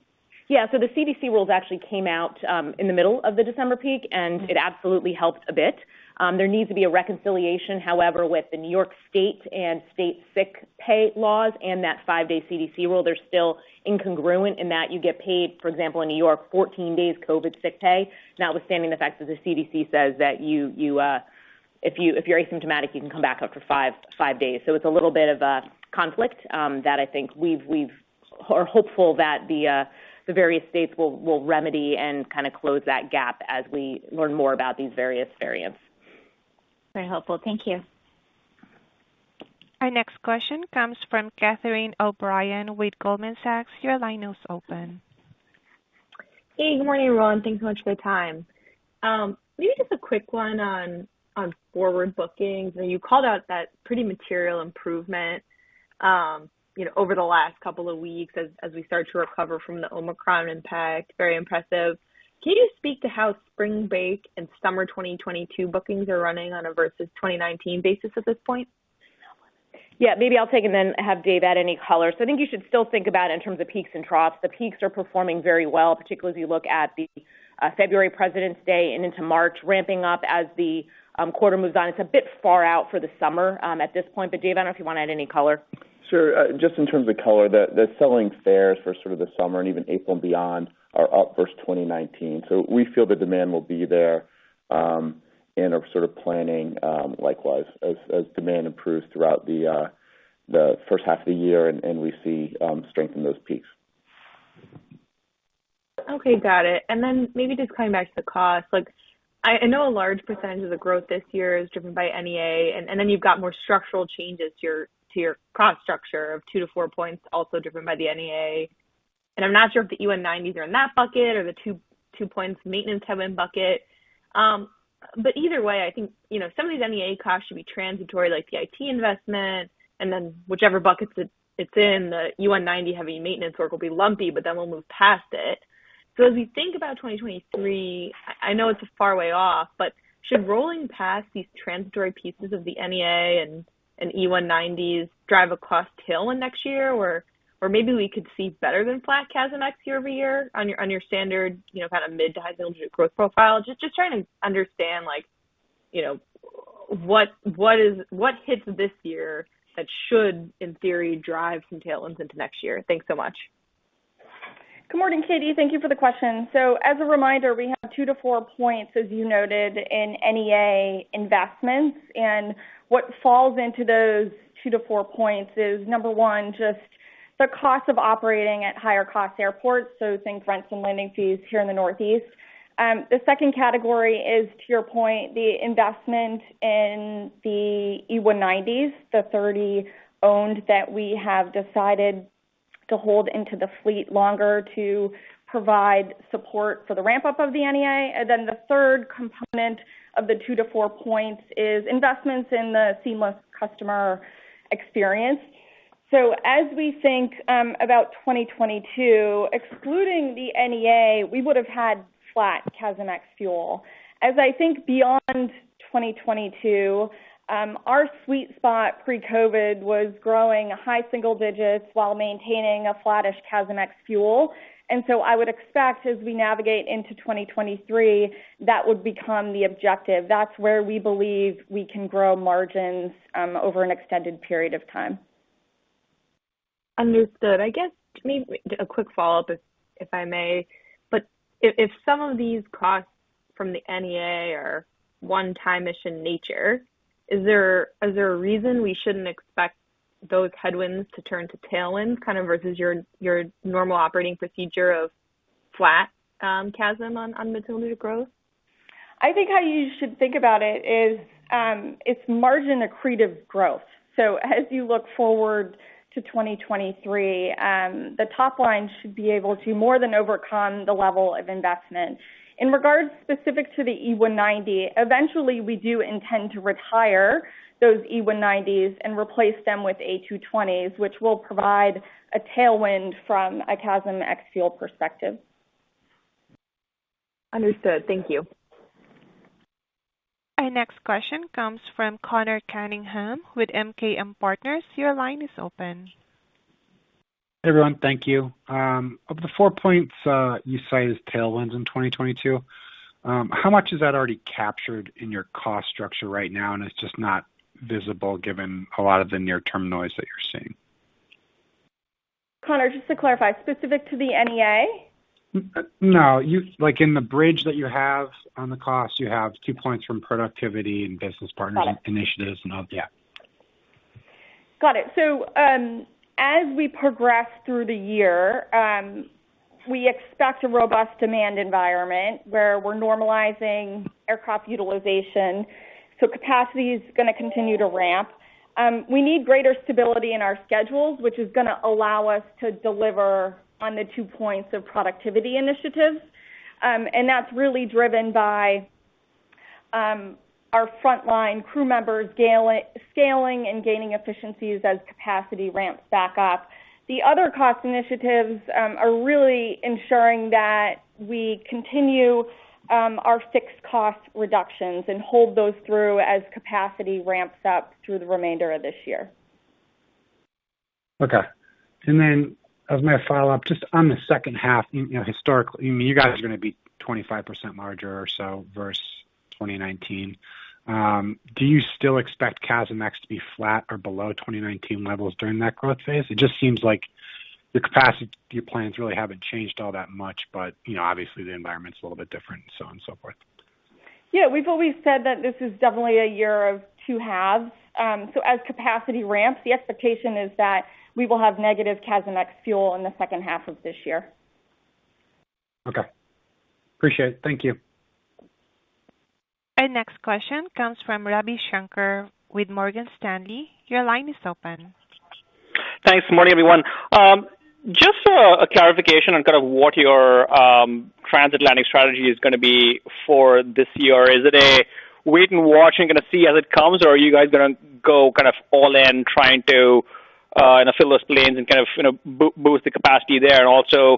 Yeah. The CDC rules actually came out in the middle of the December peak, and it absolutely helped a bit. There needs to be a reconciliation, however, with the New York State and state sick pay laws and that five-day CDC rule. They're still incongruent in that you get paid, for example, in New York, 14 days COVID sick pay, notwithstanding the fact that the CDC says that if you're asymptomatic, you can come back after 5 days. It's a little bit of a conflict that I think we are hopeful that the various states will remedy and kinda close that gap as we learn more about these various variants. Very helpful. Thank you. Our next question comes from Catherine O'Brien with Goldman Sachs. Your line is open. Hey, good morning, everyone. Thanks so much for the time. Maybe just a quick one on forward bookings. You called out that pretty material improvement, you know, over the last couple of weeks as we start to recover from the Omicron impact. Very impressive. Can you speak to how spring break and summer 2022 bookings are running on a versus 2019 basis at this point? Yeah. Maybe I'll take it and then have Dave add any color. I think you should still think about it in terms of peaks and troughs. The peaks are performing very well, particularly as you look at the February President's Day and into March, ramping up as the quarter moves on. It's a bit far out for the summer at this point. Dave, I don't know if you wanna add any color. Sure. Just in terms of color, the selling fares for sort of the summer and even April and beyond are up versus 2019. We feel the demand will be there, and are sort of planning likewise as demand improves throughout the first half of the year and we see strength in those peaks. Okay, got it. Maybe just coming back to the cost. Like I know a large percentage of the growth this year is driven by NEA and then you've got more structural changes to your cost structure of two-four points also driven by the NEA. I'm not sure if the E190s are in that bucket or the two points maintenance heavy bucket. But either way, I think, you know, some of these NEA costs should be transitory, like the IT investment, and then whichever bucket it's in, the E190 heavy maintenance work will be lumpy, but then we'll move past it. As we think about 2023, I know it's a far way off, but should rolling past these transitory pieces of the NEA and E190s drive a cost tailwind next year? Maybe we could see better than flat CASM ex-fuel year-over-year on your standard, you know, kind of mid- to high single-digit growth profile. Just trying to understand like, you know, what hits this year that should, in theory, drive some tailwinds into next year. Thanks so much. Good morning, Katie. Thank you for the question. As a reminder, we have two-four points, as you noted, in NEA investments, and what falls into those two-four points is, number one, just the cost of operating at higher cost airports, so think rents and landing fees here in the Northeast. The second category is, to your point, the investment in the E190s, the 30 owned that we have decided to hold into the fleet longer to provide support for the ramp-up of the NEA. The third component of the two-four points is investments in the seamless customer experience. As we think about 2022, excluding the NEA, we would have had flat CASM ex-fuel. As I think beyond 2022, our sweet spot pre-COVID was growing high single digits% while maintaining a flattish CASM ex-fuel. I would expect as we navigate into 2023, that would become the objective. That's where we believe we can grow margins over an extended period of time. Understood. I guess maybe a quick follow-up, if I may. If some of these costs from the NEA are one-time in nature, is there a reason we shouldn't expect those headwinds to turn to tailwinds, kind of versus your normal operating procedure of flat CASM on the delivery growth? I think how you should think about it is, it's margin accretive growth. As you look forward to 2023, the top line should be able to more than overcome the level of investment. In regards specific to the E190, eventually we do intend to retire those E190s and replace them with A220s, which will provide a tailwind from a CASM ex-fuel perspective. Understood. Thank you. Our next question comes from Conor Cunningham with MKM Partners. Your line is open. Everyone, thank you. Of the four points you cite as tailwinds in 2022, how much is that already captured in your cost structure right now, and it's just not visible given a lot of the near-term noise that you're seeing? Conor, just to clarify, specific to the NEA? No. Like in the bridge that you have on the cost, you have two points from productivity and business partners. Got it. initiatives and all that. Got it. As we progress through the year, we expect a robust demand environment where we're normalizing aircraft utilization, so capacity is gonna continue to ramp. We need greater stability in our schedules, which is gonna allow us to deliver on the two points of productivity initiatives. That's really driven by our frontline crew members scaling and gaining efficiencies as capacity ramps back up. The other cost initiatives are really ensuring that we continue our fixed cost reductions and hold those through as capacity ramps up through the remainder of this year. Okay. As my follow-up, just on the second half, you know, historically, you guys are gonna be 25% larger or so versus 2019. Do you still expect CASM ex to be flat or below 2019 levels during that growth phase? It just seems like your capacity, your plans really haven't changed all that much, but, you know, obviously the environment's a little bit different and so on and so forth. We've always said that this is definitely a year of two halves. As capacity ramps, the expectation is that we will have negative CASM ex-fuel in the second half of this year. Okay. Appreciate it. Thank you. Our next question comes from Ravi Shanker with Morgan Stanley. Your line is open. Thanks. Morning, everyone. Just for a clarification on kind of what your transatlantic strategy is gonna be for this year, is it a wait and watch and gonna see as it comes, or are you guys gonna go kind of all in trying to, you know, fill those planes and kind of, you know, boost the capacity there? Also,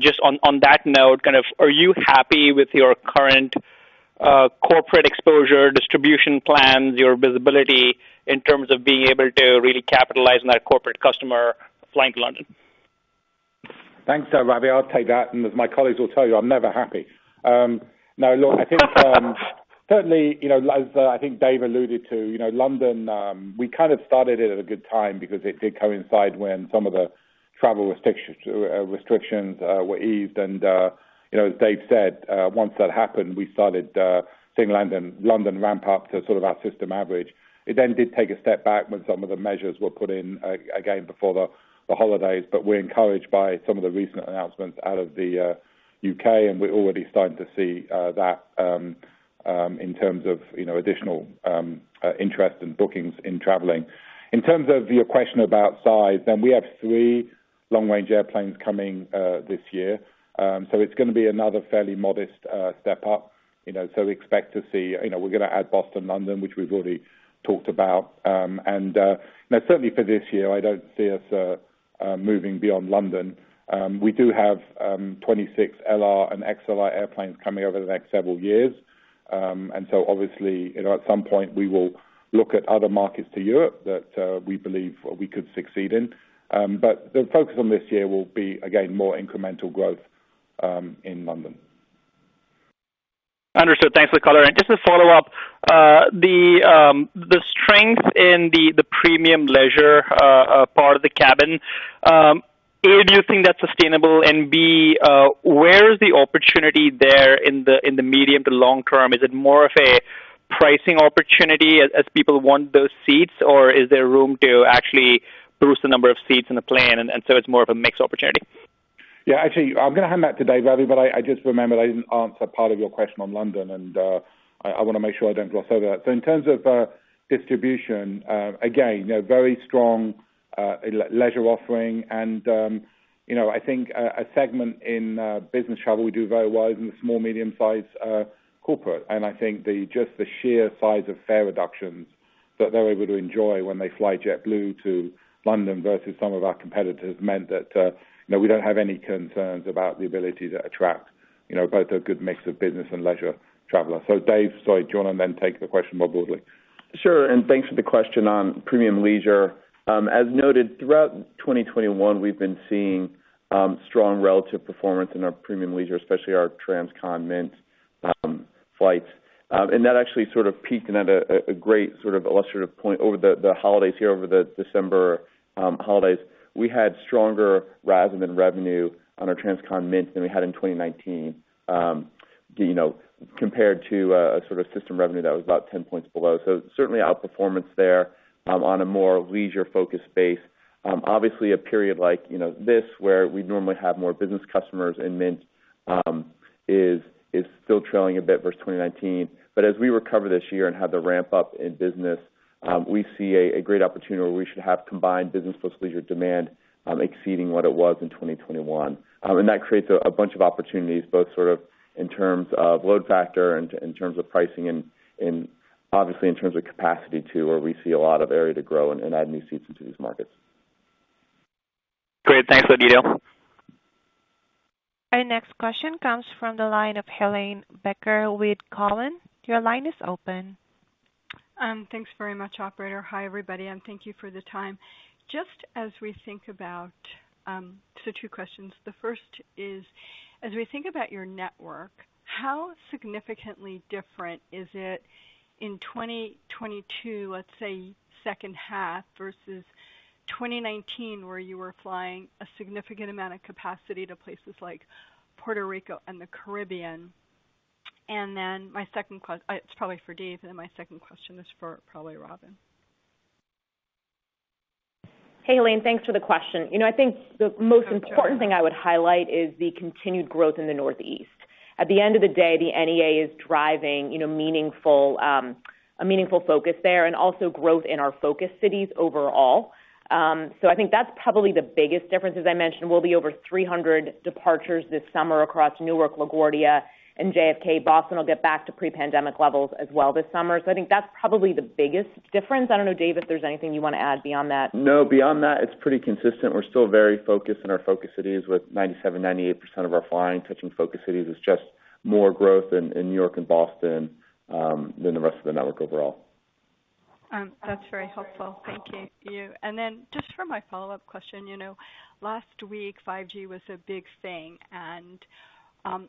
just on that note, kind of, are you happy with your current corporate exposure distribution plans, your visibility in terms of being able to really capitalize on that corporate customer flying to London? Thanks, Ravi. I'll take that. As my colleagues will tell you, I'm never happy. No, look, I think certainly, you know, as I think Dave alluded to, you know, London, we kind of started it at a good time because it did coincide when some of the travel restrictions were eased. You know, as Dave said, once that happened, we started seeing London ramp up to sort of our system average. It then did take a step back when some of the measures were put in again before the holidays. We're encouraged by some of the recent announcements out of the U.K., and we're already starting to see that in terms of, you know, additional interest and bookings in traveling. In terms of your question about size, we have three long-range airplanes coming this year. It's gonna be another fairly modest step up, you know. We expect to see you know, we're gonna add Boston, London, which we've already talked about. Now certainly for this year, I don't see us moving beyond London. We do have 26 A321LR and A321XLR airplanes coming over the next several years. Obviously, you know, at some point we will look at other markets to Europe that we believe we could succeed in. The focus on this year will be, again, more incremental growth in London. Understood. Thanks for the color. Just to follow up, the strength in the premium leisure part of the cabin, A, do you think that's sustainable? And B, where is the opportunity there in the medium to long term? Is it more of a pricing opportunity as people want those seats, or is there room to actually boost the number of seats in the plane and so it's more of a mixed opportunity? Yeah, actually, I'm gonna hand that to Dave, Ravi, but I just remembered I didn't answer part of your question on London, and I wanna make sure I don't gloss over that. In terms of distribution, again, you know, very strong leisure offering and, you know, I think a segment in business travel we do very well is in the small medium-sized corporate. I think the just the sheer size of fare reductions that they're able to enjoy when they fly JetBlue to London versus some of our competitors meant that, you know, we don't have any concerns about the ability to attract, you know, both a good mix of business and leisure travelers. Dave, sorry, do you wanna then take the question more broadly? Sure. Thanks for the question on premium leisure. As noted, throughout 2021, we've been seeing strong relative performance in our premium leisure, especially our transcon Mint flights. That actually sort of peaked. Another great sort of illustrative point over the holidays here over the December holidays. We had stronger RASM and revenue on our transcon Mint than we had in 2019 compared to a sort of system revenue that was about 10 points below. Certainly outperformance there on a more leisure-focused space. Obviously a period like this where we normally have more business customers in Mint is still trailing a bit versus 2019. As we recover this year and have the ramp-up in business, we see a great opportunity where we should have combined business plus leisure demand, exceeding what it was in 2021. That creates a bunch of opportunities, both sort of in terms of load factor and in terms of pricing and obviously in terms of capacity too, where we see a lot of area to grow and add new seats into these markets. Great. Thanks for the detail. Our next question comes from the line of Helane Becker with Cowen. Your line is open. Thanks very much, operator. Hi, everybody, and thank you for the time. Just as we think about, two questions. The first is, as we think about your network, how significantly different is it in 2022, let's say second half, versus 2019, where you were flying a significant amount of capacity to places like Puerto Rico and the Caribbean? And then my second, it's probably for Dave, and then my second question is for probably Robin. Hey, Helane, thanks for the question. You know, I think the most important thing I would highlight is the continued growth in the Northeast. At the end of the day, the NEA is driving, you know, meaningful focus there and also growth in our focus cities overall. I think that's probably the biggest difference. As I mentioned, we'll be over 300 departures this summer across Newark, LaGuardia, and JFK. Boston will get back to pre-pandemic levels as well this summer. I think that's probably the biggest difference. I don't know, Dave, if there's anything you wanna add beyond that. No. Beyond that, it's pretty consistent. We're still very focused in our focus cities with 97%-98% of our flying touching focus cities. It's just more growth in New York and Boston than the rest of the network overall. That's very helpful. Thank you. Then just for my follow-up question, you know, last week, 5G was a big thing, and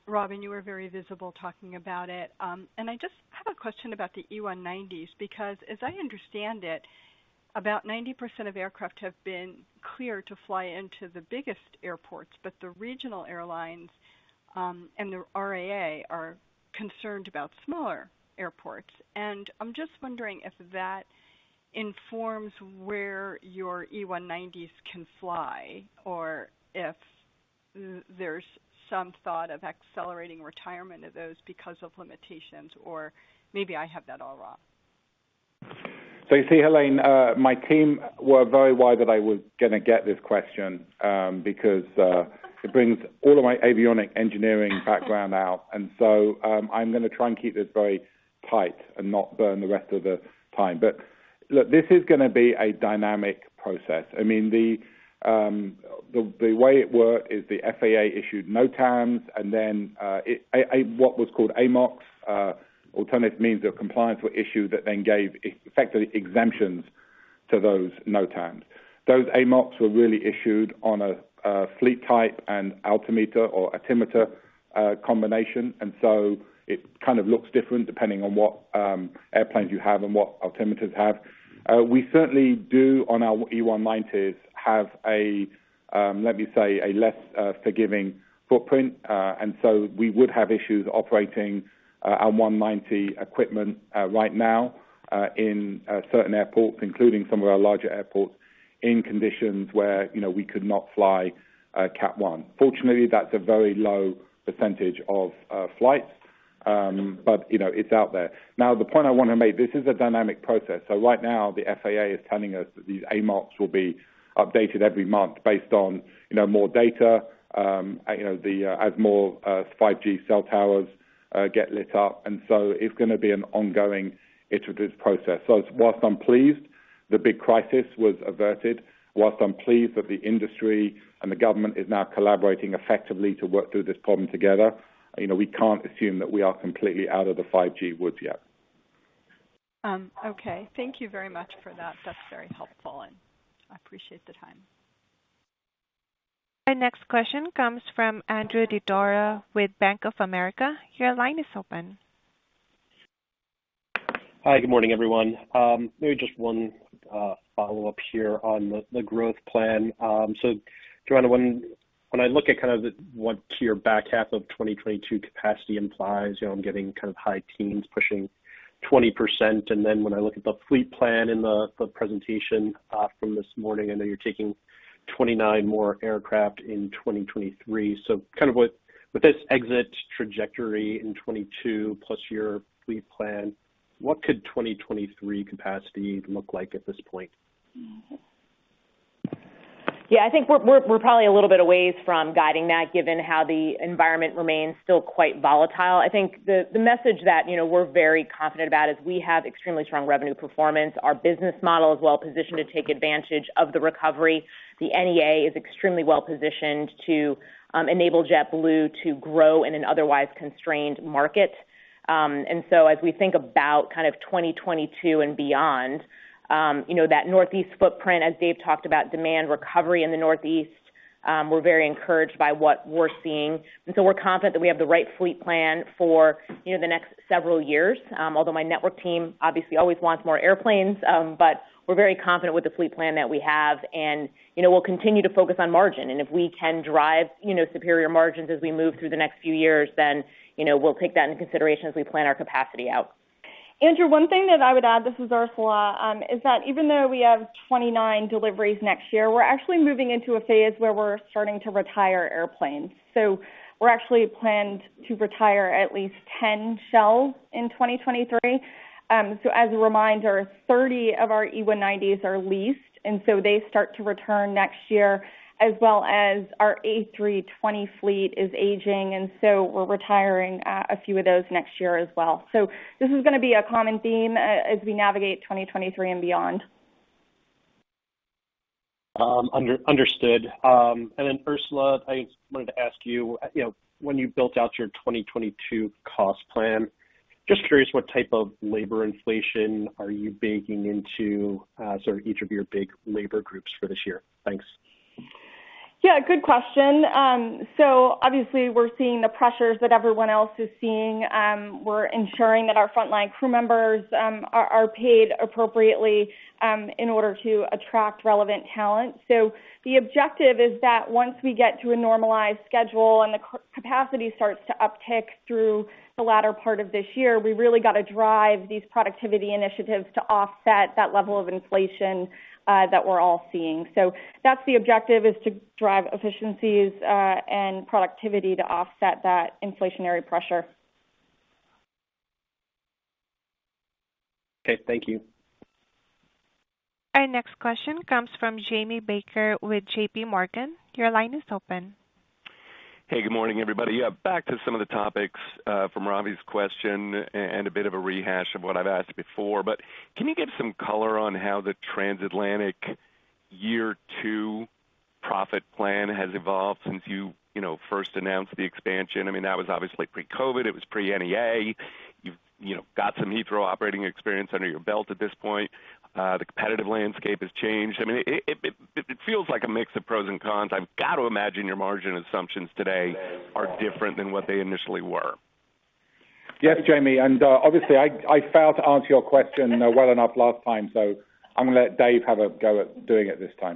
Robin, you were very visible talking about it. I just have a question about the E190s, because as I understand it, about 90% of aircraft have been cleared to fly into the biggest airports, but the regional airlines and the RAA are concerned about smaller airports. I'm just wondering if that informs where your E190s can fly or if there's some thought of accelerating retirement of those because of limitations, or maybe I have that all wrong. You see, Helane, my team were very aware that I was gonna get this question, because it brings all of my avionics engineering background out. I'm gonna try and keep this very tight and not burn the rest of the time. Look, this is gonna be a dynamic process. The way it worked is the FAA issued NOTAMs and then what was called AMOCs, alternative means of compliance, were issued that then gave effectively exemptions to those NOTAMs. Those AMOCs were really issued on a fleet type and altimeter combination. It kind of looks different depending on what airplanes you have and what altimeters have. We certainly do, on our E190s, have a less forgiving footprint. We would have issues operating our E190 equipment right now in certain airports, including some of our larger airports, in conditions where, you know, we could not fly CAT I. Fortunately, that's a very low percentage of flights. You know, it's out there. Now, the point I wanna make, this is a dynamic process. Right now, the FAA is telling us that these AMOCs will be updated every month based on, you know, more data, you know, the, as more 5G cell towers get lit up. It's gonna be an ongoing iterative process. While I'm pleased the big crisis was averted, while I'm pleased that the industry and the government is now collaborating effectively to work through this problem together, you know, we can't assume that we are completely out of the 5G woods yet. Okay. Thank you very much for that. That's very helpful, and I appreciate the time. Our next question comes from Andrew Didora with Bank of America. Your line is open. Hi. Good morning, everyone. Maybe just one follow-up here on the growth plan. Joanna, when I look at kind of what your back half of 2022 capacity implies, you know, I'm getting kind of high teens pushing 20%. Then when I look at the fleet plan in the presentation from this morning, I know you're taking 29 more aircraft in 2023. Kind of with this exit trajectory in 2022 plus your fleet plan, what could 2023 capacity look like at this point? Yeah, I think we're probably a little bit a ways from guiding that given how the environment remains still quite volatile. I think the message that, you know, we're very confident about is we have extremely strong revenue performance. Our business model is well-positioned to take advantage of the recovery. The NEA is extremely well-positioned to enable JetBlue to grow in an otherwise constrained market. As we think about kind of 2022 and beyond, you know that Northeast footprint as Dave talked about, demand recovery in the Northeast, we're very encouraged by what we're seeing. We're confident that we have the right fleet plan for, you know, the next several years. Although my network team obviously always wants more airplanes. We're very confident with the fleet plan that we have and, you know, we'll continue to focus on margin. If we can drive, you know, superior margins as we move through the next few years, then, you know, we'll take that into consideration as we plan our capacity out. Andrew, one thing that I would add, this is Ursula, is that even though we have 29 deliveries next year, we're actually moving into a phase where we're starting to retire airplanes. We're actually planned to retire at least 10 A320s in 2023. As a reminder, 30 of our E190s are leased, and so they start to return next year, as well as our A320 fleet is aging, and so we're retiring a few of those next year as well. This is gonna be a common theme as we navigate 2023 and beyond. Understood. Ursula, I wanted to ask you know, when you built out your 2022 cost plan, just curious what type of labor inflation are you baking into, sort of each of your big labor groups for this year? Thanks. Yeah, good question. Obviously we're seeing the pressures that everyone else is seeing. We're ensuring that our frontline crew members are paid appropriately in order to attract relevant talent. The objective is that once we get to a normalized schedule and the capacity starts to uptick through the latter part of this year, we really gotta drive these productivity initiatives to offset that level of inflation that we're all seeing. That's the objective, is to drive efficiencies and productivity to offset that inflationary pressure. Okay, thank you. Our next question comes from Jamie Baker with JPMorgan. Your line is open. Hey, good morning, everybody. Yeah, back to some of the topics from Ravi's question and a bit of a rehash of what I've asked before, but can you give some color on how the Transatlantic year two profit plan has evolved since you know first announced the expansion? I mean, that was obviously pre-COVID, it was pre-NEA. You know, you've got some Heathrow operating experience under your belt at this point. The competitive landscape has changed. I mean, it feels like a mix of pros and cons. I've got to imagine your margin assumptions today are different than what they initially were. Yes, Jamie, obviously I failed to answer your question well enough last time, so I'm gonna let Dave have a go at doing it this time.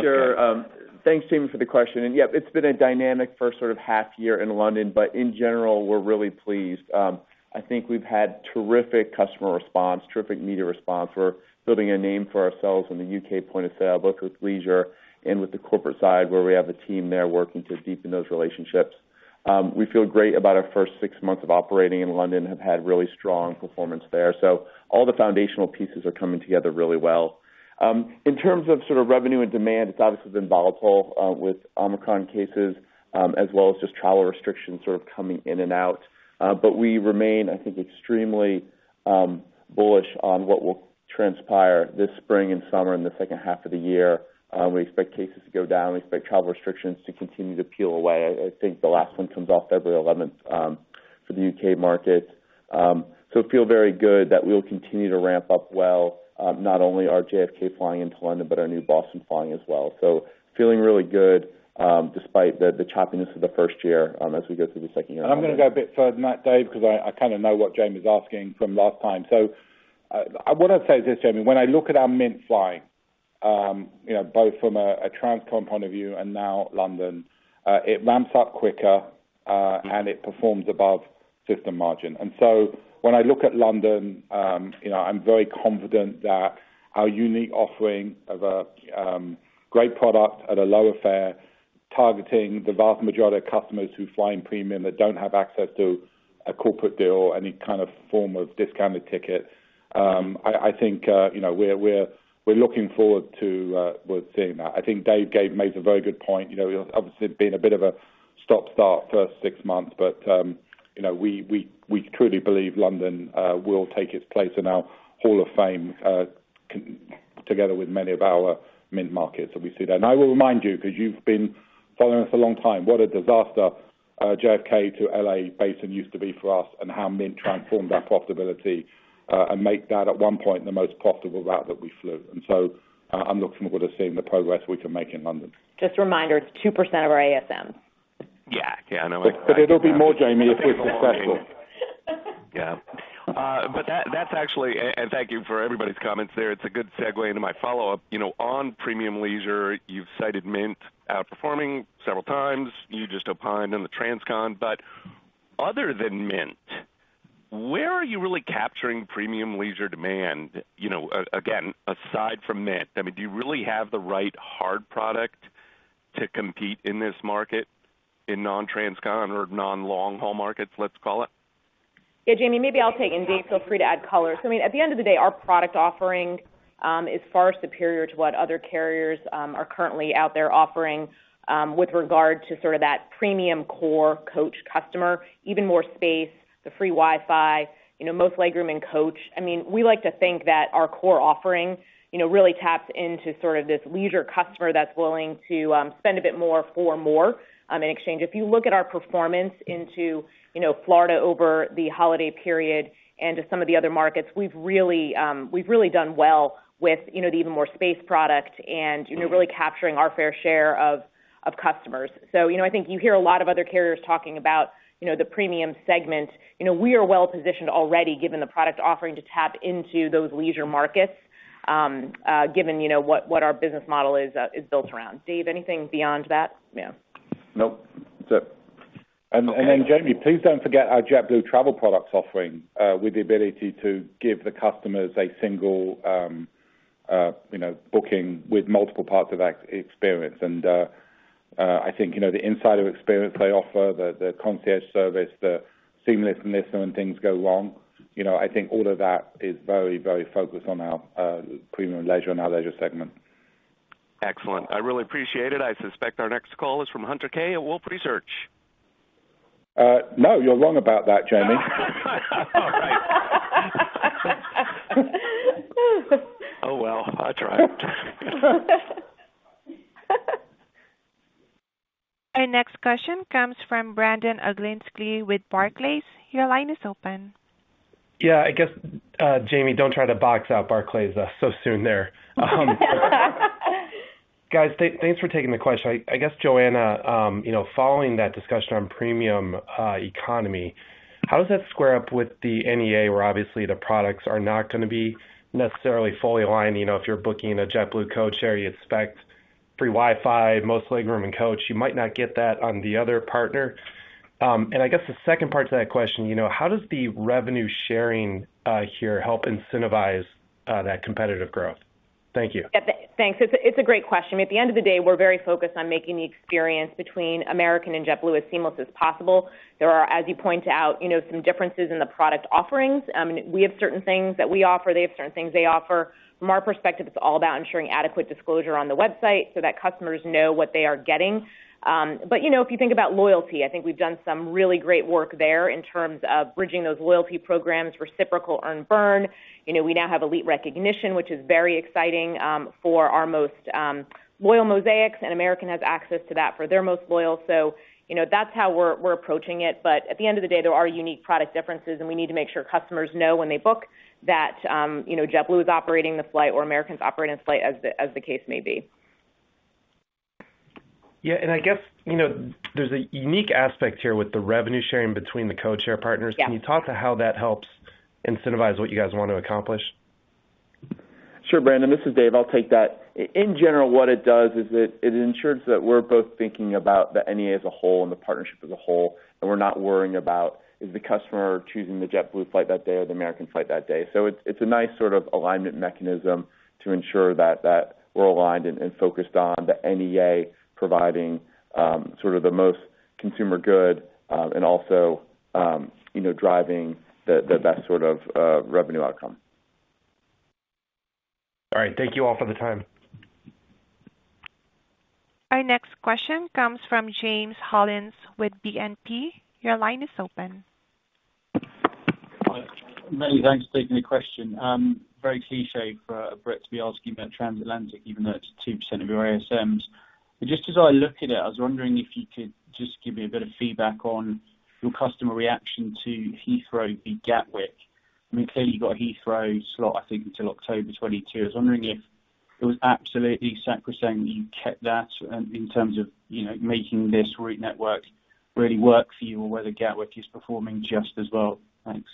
Sure. Thanks, Jamie, for the question. Yep, it's been a dynamic first sort of half year in London, but in general, we're really pleased. I think we've had terrific customer response, terrific media response. We're building a name for ourselves in the U.K. point of sale, both with leisure and with the corporate side, where we have a team there working to deepen those relationships. We feel great about our first six months of operating in London. We have had really strong performance there. All the foundational pieces are coming together really well. In terms of sort of revenue and demand, it's obviously been volatile with Omicron cases, as well as just travel restrictions sort of coming in and out. We remain, I think, extremely bullish on what will transpire this spring and summer in the second half of the year. We expect cases to go down. We expect travel restrictions to continue to peel away. I think the last one comes off February eleventh for the U.K. market. Feel very good that we'll continue to ramp up well, not only our JFK flying into London, but our New York-Boston flying as well. Feeling really good, despite the choppiness of the first year, as we go through the second year. I'm gonna go a bit further than that, Dave, 'cause I kinda know what Jamie's asking from last time. What I'd say is this, Jamie, when I look at our Mint flying, you know, both from a transcon point of view and now London, it ramps up quicker, and it performs above system margin. When I look at London, you know, I'm very confident that our unique offering of a great product at a lower fare, targeting the vast majority of customers who fly in premium that don't have access to a corporate deal or any kind of form of discounted ticket, I think, you know, we're looking forward to seeing that. I think Dave made a very good point. You know, obviously been a bit of a stop-start first six months, but, you know, we truly believe London will take its place in our hall of fame, together with many of our Mint markets that we see there. I will remind you, 'cause you've been following us a long time, what a disaster JFK to L.A. basin used to be for us and how Mint transformed our profitability, and make that at one point the most profitable route that we flew. I'm looking forward to seeing the progress we can make in London. Just a reminder, it's 2% of our ASM. Yeah. Yeah, I know. It'll be more, Jamie, if we're successful. Yeah, that's actually and thank you for everybody's comments there. It's a good segue into my follow-up. You know, on premium leisure, you've cited Mint outperforming several times. You just opined on the transcon. Other than Mint, where are you really capturing premium leisure demand? You know, again, aside from Mint, I mean, do you really have the right hard product to compete in this market in non-transcon or non-long haul markets, let's call it? Yeah, Jamie, maybe I'll take and Dave feel free to add color. I mean, at the end of the day, our product offering is far superior to what other carriers are currently out there offering with regard to sort of that premium core coach customer, Even More Space, the free Wi-Fi, you know, most legroom in coach. I mean, we like to think that our core offering, you know, really taps into sort of this leisure customer that's willing to spend a bit more for more in exchange. If you look at our performance into, you know, Florida over the holiday period and to some of the other markets, we've really done well with, you know, the Even More Space product and, you know, really capturing our fair share of customers. You know, I think you hear a lot of other carriers talking about, you know, the premium segment. You know, we are well-positioned already, given the product offering to tap into those leisure markets, given, you know, what our business model is built around. Dave, anything beyond that? Yeah. Nope. That's it. Okay. Jamie, please don't forget our JetBlue Travel Products offering, with the ability to give the customers a single, you know, booking with multiple parts of experience. I think, you know, the insider experience they offer, the concierge service, the seamlessness when things go wrong, you know, I think all of that is very focused on our premium leisure and our leisure segment. Excellent. I really appreciate it. I suspect our next call is from Hunter Keay at Wolfe Research. No, you're wrong about that, Jamie. All right. Oh, well, I tried. Our next question comes from Brandon Oglenski with Barclays. Your line is open. Yeah, I guess, Jamie, don't try to box out Barclays so soon there. Guys, thanks for taking the question. I guess, Joanna, you know, following that discussion on premium economy, how does that square up with the NEA, where obviously the products are not gonna be necessarily fully aligned? You know, if you're booking a JetBlue coach seat, you expect free Wi-Fi, most legroom in coach, you might not get that on the other partner. And I guess the second part to that question, you know, how does the revenue sharing here help incentivize that competitive growth? Thank you. Thanks. It's a great question. At the end of the day, we're very focused on making the experience between American and JetBlue as seamless as possible. There are, as you point out, you know, some differences in the product offerings. We have certain things that we offer. They have certain things they offer. From our perspective, it's all about ensuring adequate disclosure on the website so that customers know what they are getting. But you know, if you think about loyalty, I think we've done some really great work there in terms of bridging those loyalty programs, reciprocal earn and burn. You know, we now have elite recognition, which is very exciting, for our most loyal Mosaics, and American has access to that for their most loyal. You know, that's how we're approaching it. At the end of the day, there are unique product differences, and we need to make sure customers know when they book that JetBlue is operating the flight or American's operating the flight as the case may be. Yeah. I guess, you know, there's a unique aspect here with the revenue sharing between the codeshare partners. Yeah. Can you talk to how that helps incentivize what you guys want to accomplish? Sure, Brandon, this is Dave, I'll take that. In general, what it does is it ensures that we're both thinking about the NEA as a whole and the partnership as a whole, and we're not worrying about is the customer choosing the JetBlue flight that day or the American flight that day. It's a nice sort of alignment mechanism to ensure that we're aligned and focused on the NEA providing sort of the most consumer good, and also, you know, driving the best sort of revenue outcome. All right. Thank you all for the time. Our next question comes from James Hollins with BNP. Your line is open. Many thanks for taking the question. Very cliché for it to be asking about transatlantic, even though it's 2% of your ASMs. Just as I look at it, I was wondering if you could just give me a bit of feedback on your customer reaction to Heathrow v Gatwick. I mean, clearly you've got a Heathrow slot, I think, until October 2022. I was wondering if it was absolutely sacrosanct that you kept that in terms of, you know, making this route network really work for you or whether Gatwick is performing just as well. Thanks.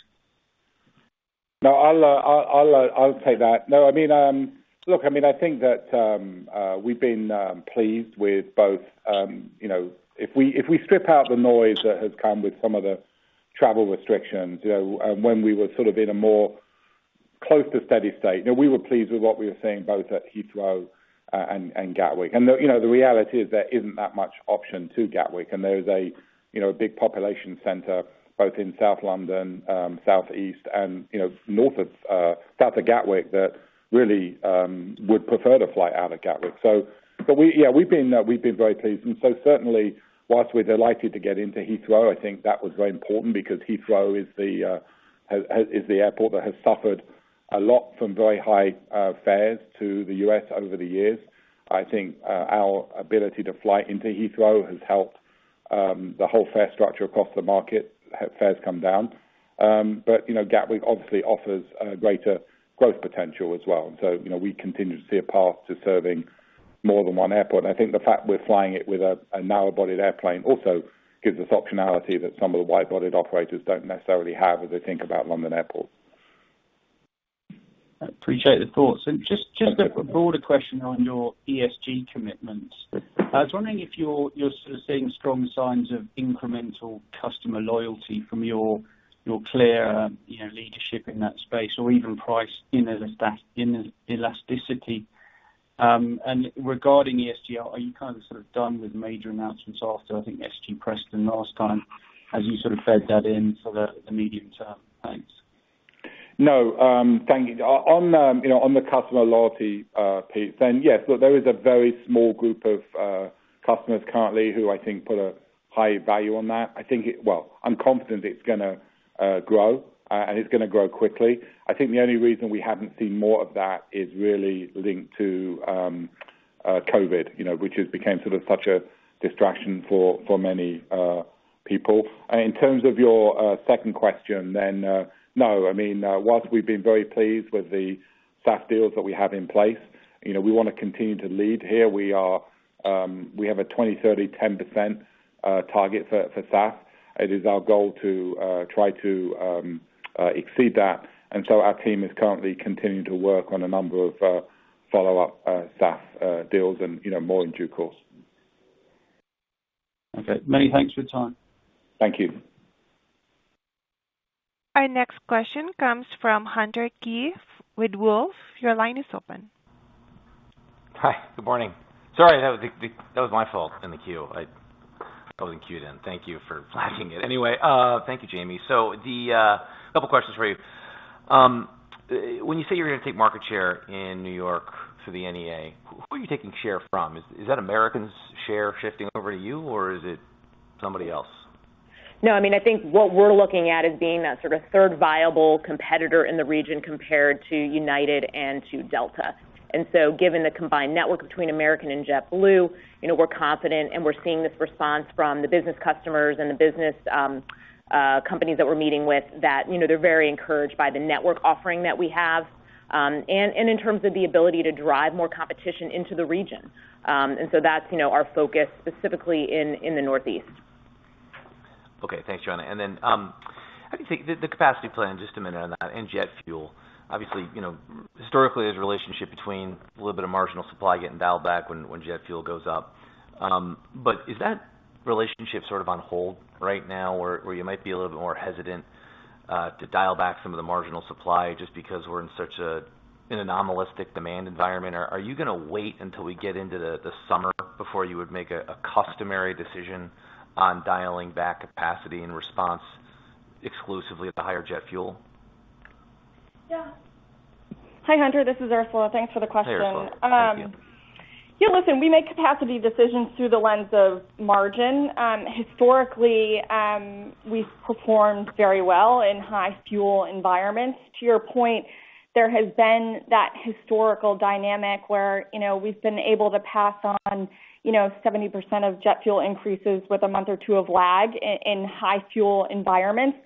No, I'll take that. No, I mean, look, I mean, I think that we've been pleased with both, you know, if we strip out the noise that has come with some of the travel restrictions, you know, when we were sort of in a more close to steady state, you know, we were pleased with what we were seeing both at Heathrow and Gatwick. The reality is there isn't that much option to Gatwick, and there is a big population center both in South London, Southeast and north of south of Gatwick that really would prefer to fly out of Gatwick. Yeah, we've been very pleased. Certainly, while we're delighted to get into Heathrow, I think that was very important because Heathrow is the airport that has suffered a lot from very high fares to the U.S. over the years. I think our ability to fly into Heathrow has helped the whole fare structure across the market have fares come down. You know, Gatwick obviously offers a greater growth potential as well. You know, we continue to see a path to serving more than one airport. I think the fact we're flying it with a narrow-bodied airplane also gives us optionality that some of the wide-bodied operators don't necessarily have as they think about London airports. I appreciate the thoughts. Just a broader question on your ESG commitments. I was wondering if you're sort of seeing strong signs of incremental customer loyalty from your clear, you know, leadership in that space or even price inelasticity. Regarding ESG, are you kind of sort of done with major announcements after, I think, SG Preston last time? As you sort of fed that in for the medium term? Thanks. No. Thank you. On the, you know, on the customer loyalty, Pete, yes. Look, there is a very small group of customers currently who I think put a high value on that. I think it. Well, I'm confident it's gonna grow, and it's gonna grow quickly. I think the only reason we haven't seen more of that is really linked to COVID, you know, which has became sort of such a distraction for many people. In terms of your second question, no. I mean, whilst we've been very pleased with the SAF deals that we have in place, you know, we wanna continue to lead here. We have a 2030 10% target for SAF. It is our goal to try to exceed that. Our team is currently continuing to work on a number of follow-up SAF deals and, you know, more in due course. Okay. Many thanks for your time. Thank you. Our next question comes from Hunter Keay with Wolfe. Your line is open. Hi. Good morning. Sorry, that was my fault in the queue. I wasn't queued in. Thank you for flagging it anyway. Thank you, Jamie. A couple questions for you. When you say you're gonna take market share in New York for the NEA, who are you taking share from? Is that American's share shifting over to you, or is it somebody else? No, I mean, I think what we're looking at is being that sort of third viable competitor in the region compared to United and to Delta. Given the combined network between American and JetBlue, you know, we're confident, and we're seeing this response from the business customers and the business companies that we're meeting with, that, you know, they're very encouraged by the network offering that we have, and in terms of the ability to drive more competition into the region. That's, you know, our focus specifically in the Northeast. Okay. Thanks, Joanna. I can take the capacity plan, just a minute on that and jet fuel. Obviously, you know, historically, there's a relationship between a little bit of marginal supply getting dialed back when jet fuel goes up. Is that relationship sort of on hold right now, where you might be a little bit more hesitant to dial back some of the marginal supply just because we're in such an anomalous demand environment? Are you gonna wait until we get into the summer before you would make a customary decision on dialing back capacity in response exclusively at the higher jet fuel? Yeah. Hi, Hunter. This is Ursula. Thanks for the question. Hi, Ursula. Thank you. Yeah, listen, we make capacity decisions through the lens of margin. Historically, we've performed very well in high fuel environments. To your point, there has been that historical dynamic where, you know, we've been able to pass on, you know, 70% of jet fuel increases with a month or two of lag in high fuel environments.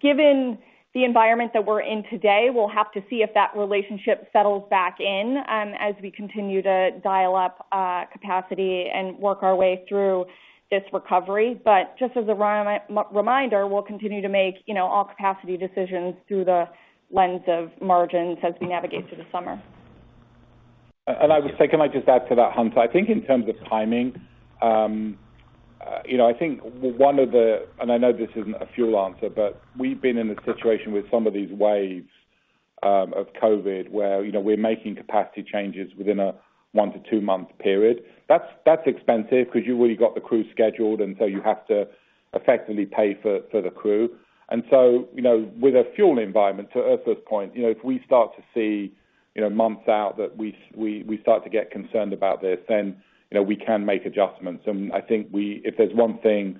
Given the environment that we're in today, we'll have to see if that relationship settles back in, as we continue to dial up capacity and work our way through this recovery. Just as a reminder, we'll continue to make, you know, all capacity decisions through the lens of margins as we navigate through the summer. I would say, can I just add to that, Hunter? I think in terms of timing, I know this isn't a fuel answer, but we've been in a situation with some of these waves of COVID where we're making capacity changes within a one-two month period. That's expensive because you've already got the crew scheduled, and so you have to effectively pay for the crew. With a fuel environment, to Ursula's point, if we start to see months out that we start to get concerned about this, then we can make adjustments. If there's one thing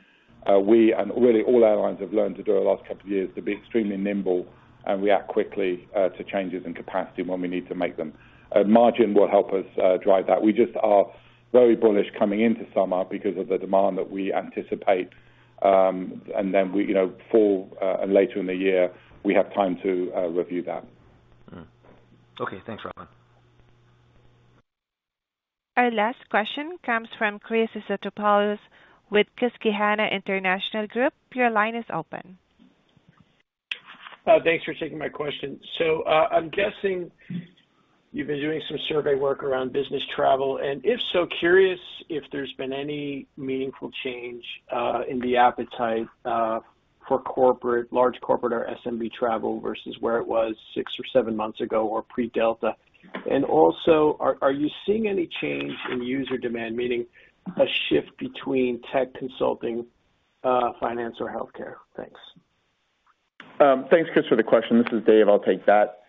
we and really all airlines have learned to do in the last couple of years is to be extremely nimble and react quickly to changes in capacity when we need to make them. Margin will help us drive that. We just are very bullish coming into summer because of the demand that we anticipate, and then we, you know, fall, and later in the year, we have time to review that. Mm-hmm. Okay. Thanks, everyone. Our last question comes from Chris Stathoulopoulos with Susquehanna International Group. Your line is open. Thanks for taking my question. I'm guessing you've been doing some survey work around business travel, and if so, curious if there's been any meaningful change in the appetite for corporate, large corporate or SMB travel versus where it was six or seven months ago or pre-Delta. Also, are you seeing any change in user demand, meaning a shift between tech consulting, finance or healthcare? Thanks. Thanks, Chris, for the question. This is Dave. I'll take that.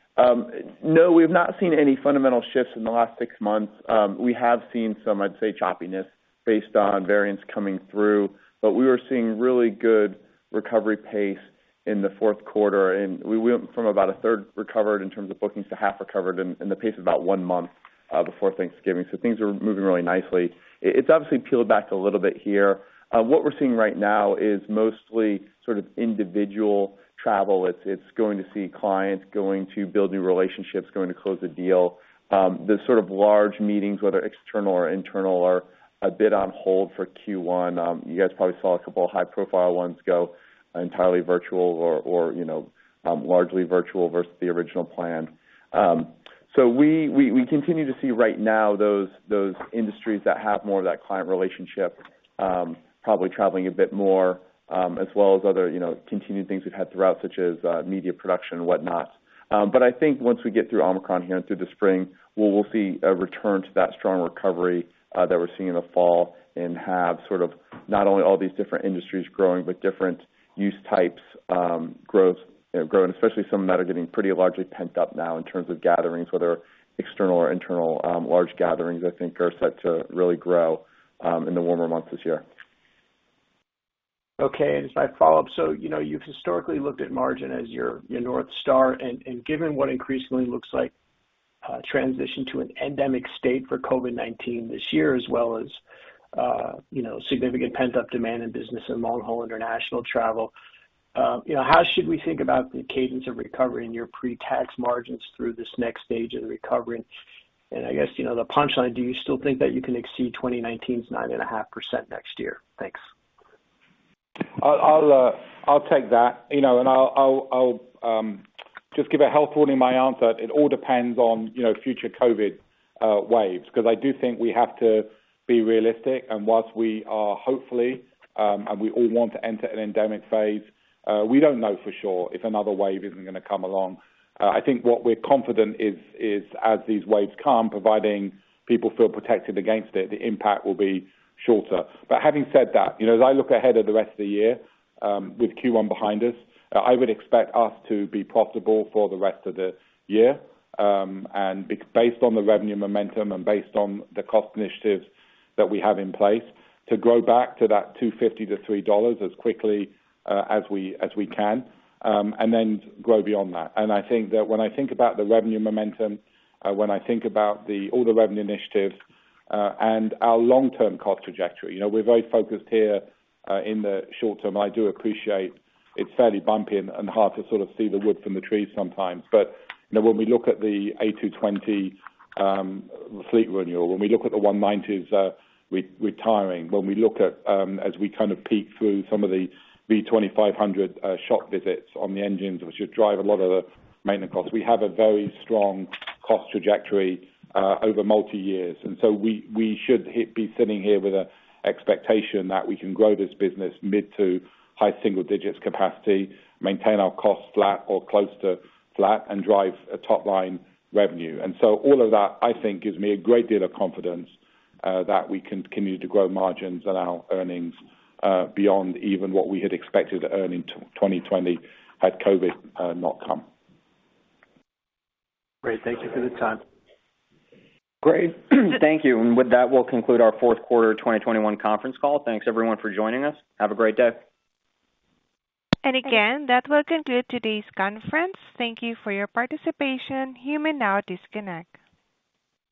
No, we've not seen any fundamental shifts in the last six months. We have seen some, I'd say, choppiness based on variants coming through. We were seeing really good recovery pace in the Q4, and we went from about a third recovered in terms of bookings to half recovered in the pace of about one month before Thanksgiving. Things are moving really nicely. It's obviously peeled back a little bit here. What we're seeing right now is mostly sort of individual travel. It's going to see clients, going to build new relationships, going to close a deal. The sort of large meetings, whether external or internal, are a bit on hold for Q1. You guys probably saw a couple of high-profile ones go entirely virtual or, you know, largely virtual versus the original plan. We continue to see right now those industries that have more of that client relationship probably traveling a bit more as well as other, you know, continued things we've had throughout, such as media production and whatnot. I think once we get through Omicron here and through the spring, we'll see a return to that strong recovery that we're seeing in the fall and have sort of not only all these different industries growing, but different use types, growth, you know, growing, especially some that are getting pretty largely pent up now in terms of gatherings, whether external or internal. Large gatherings I think are set to really grow in the warmer months this year. Okay. As my follow-up, so, you know, you've historically looked at margin as your North Star. Given what increasingly looks like a transition to an endemic state for COVID-19 this year, as well as, you know, significant pent-up demand in business and long-haul international travel, you know, how should we think about the cadence of recovery in your pre-tax margins through this next stage of the recovery? I guess, you know, the punchline, do you still think that you can exceed 2019's 9.5% next year? Thanks. I'll take that, you know, and I'll just give a health warning in my answer. It all depends on, you know, future COVID waves. 'Cause I do think we have to be realistic. Whilst we are hopefully, and we all want to enter an endemic phase, we don't know for sure if another wave isn't gonna come along. I think what we're confident is as these waves come, providing people feel protected against it, the impact will be shorter. Having said that, you know, as I look ahead at the rest of the year, with Q1 behind us, I would expect us to be profitable for the rest of the year, and be based on the revenue momentum and based on the cost initiatives that we have in place to grow back to that $2.50-$3 as quickly as we can, and then grow beyond that. I think that when I think about the revenue momentum, when I think about all the revenue initiatives, and our long-term cost trajectory. You know, we're very focused here in the short term. I do appreciate it's fairly bumpy and hard to sort of see the wood from the trees sometimes. You know, when we look at the A220 fleet renewal, when we look at the E190s retiring, when we look at as we kind of peek through some of the V2500 shop visits on the engines, which should drive a lot of the maintenance costs. We have a very strong cost trajectory over multi-year. We should be sitting here with an expectation that we can grow this business mid- to high-single-digits capacity, maintain our costs flat or close to flat, and drive a top-line revenue. All of that, I think, gives me a great deal of confidence that we continue to grow margins and our earnings beyond even what we had expected to earn in 2020 had COVID not come. Great. Thank you for the time. Great. Thank you. With that, we'll conclude our Q4 2021 conference call. Thanks, everyone, for joining us. Have a great day. Again, that will conclude today's conference. Thank you for your participation. You may now disconnect.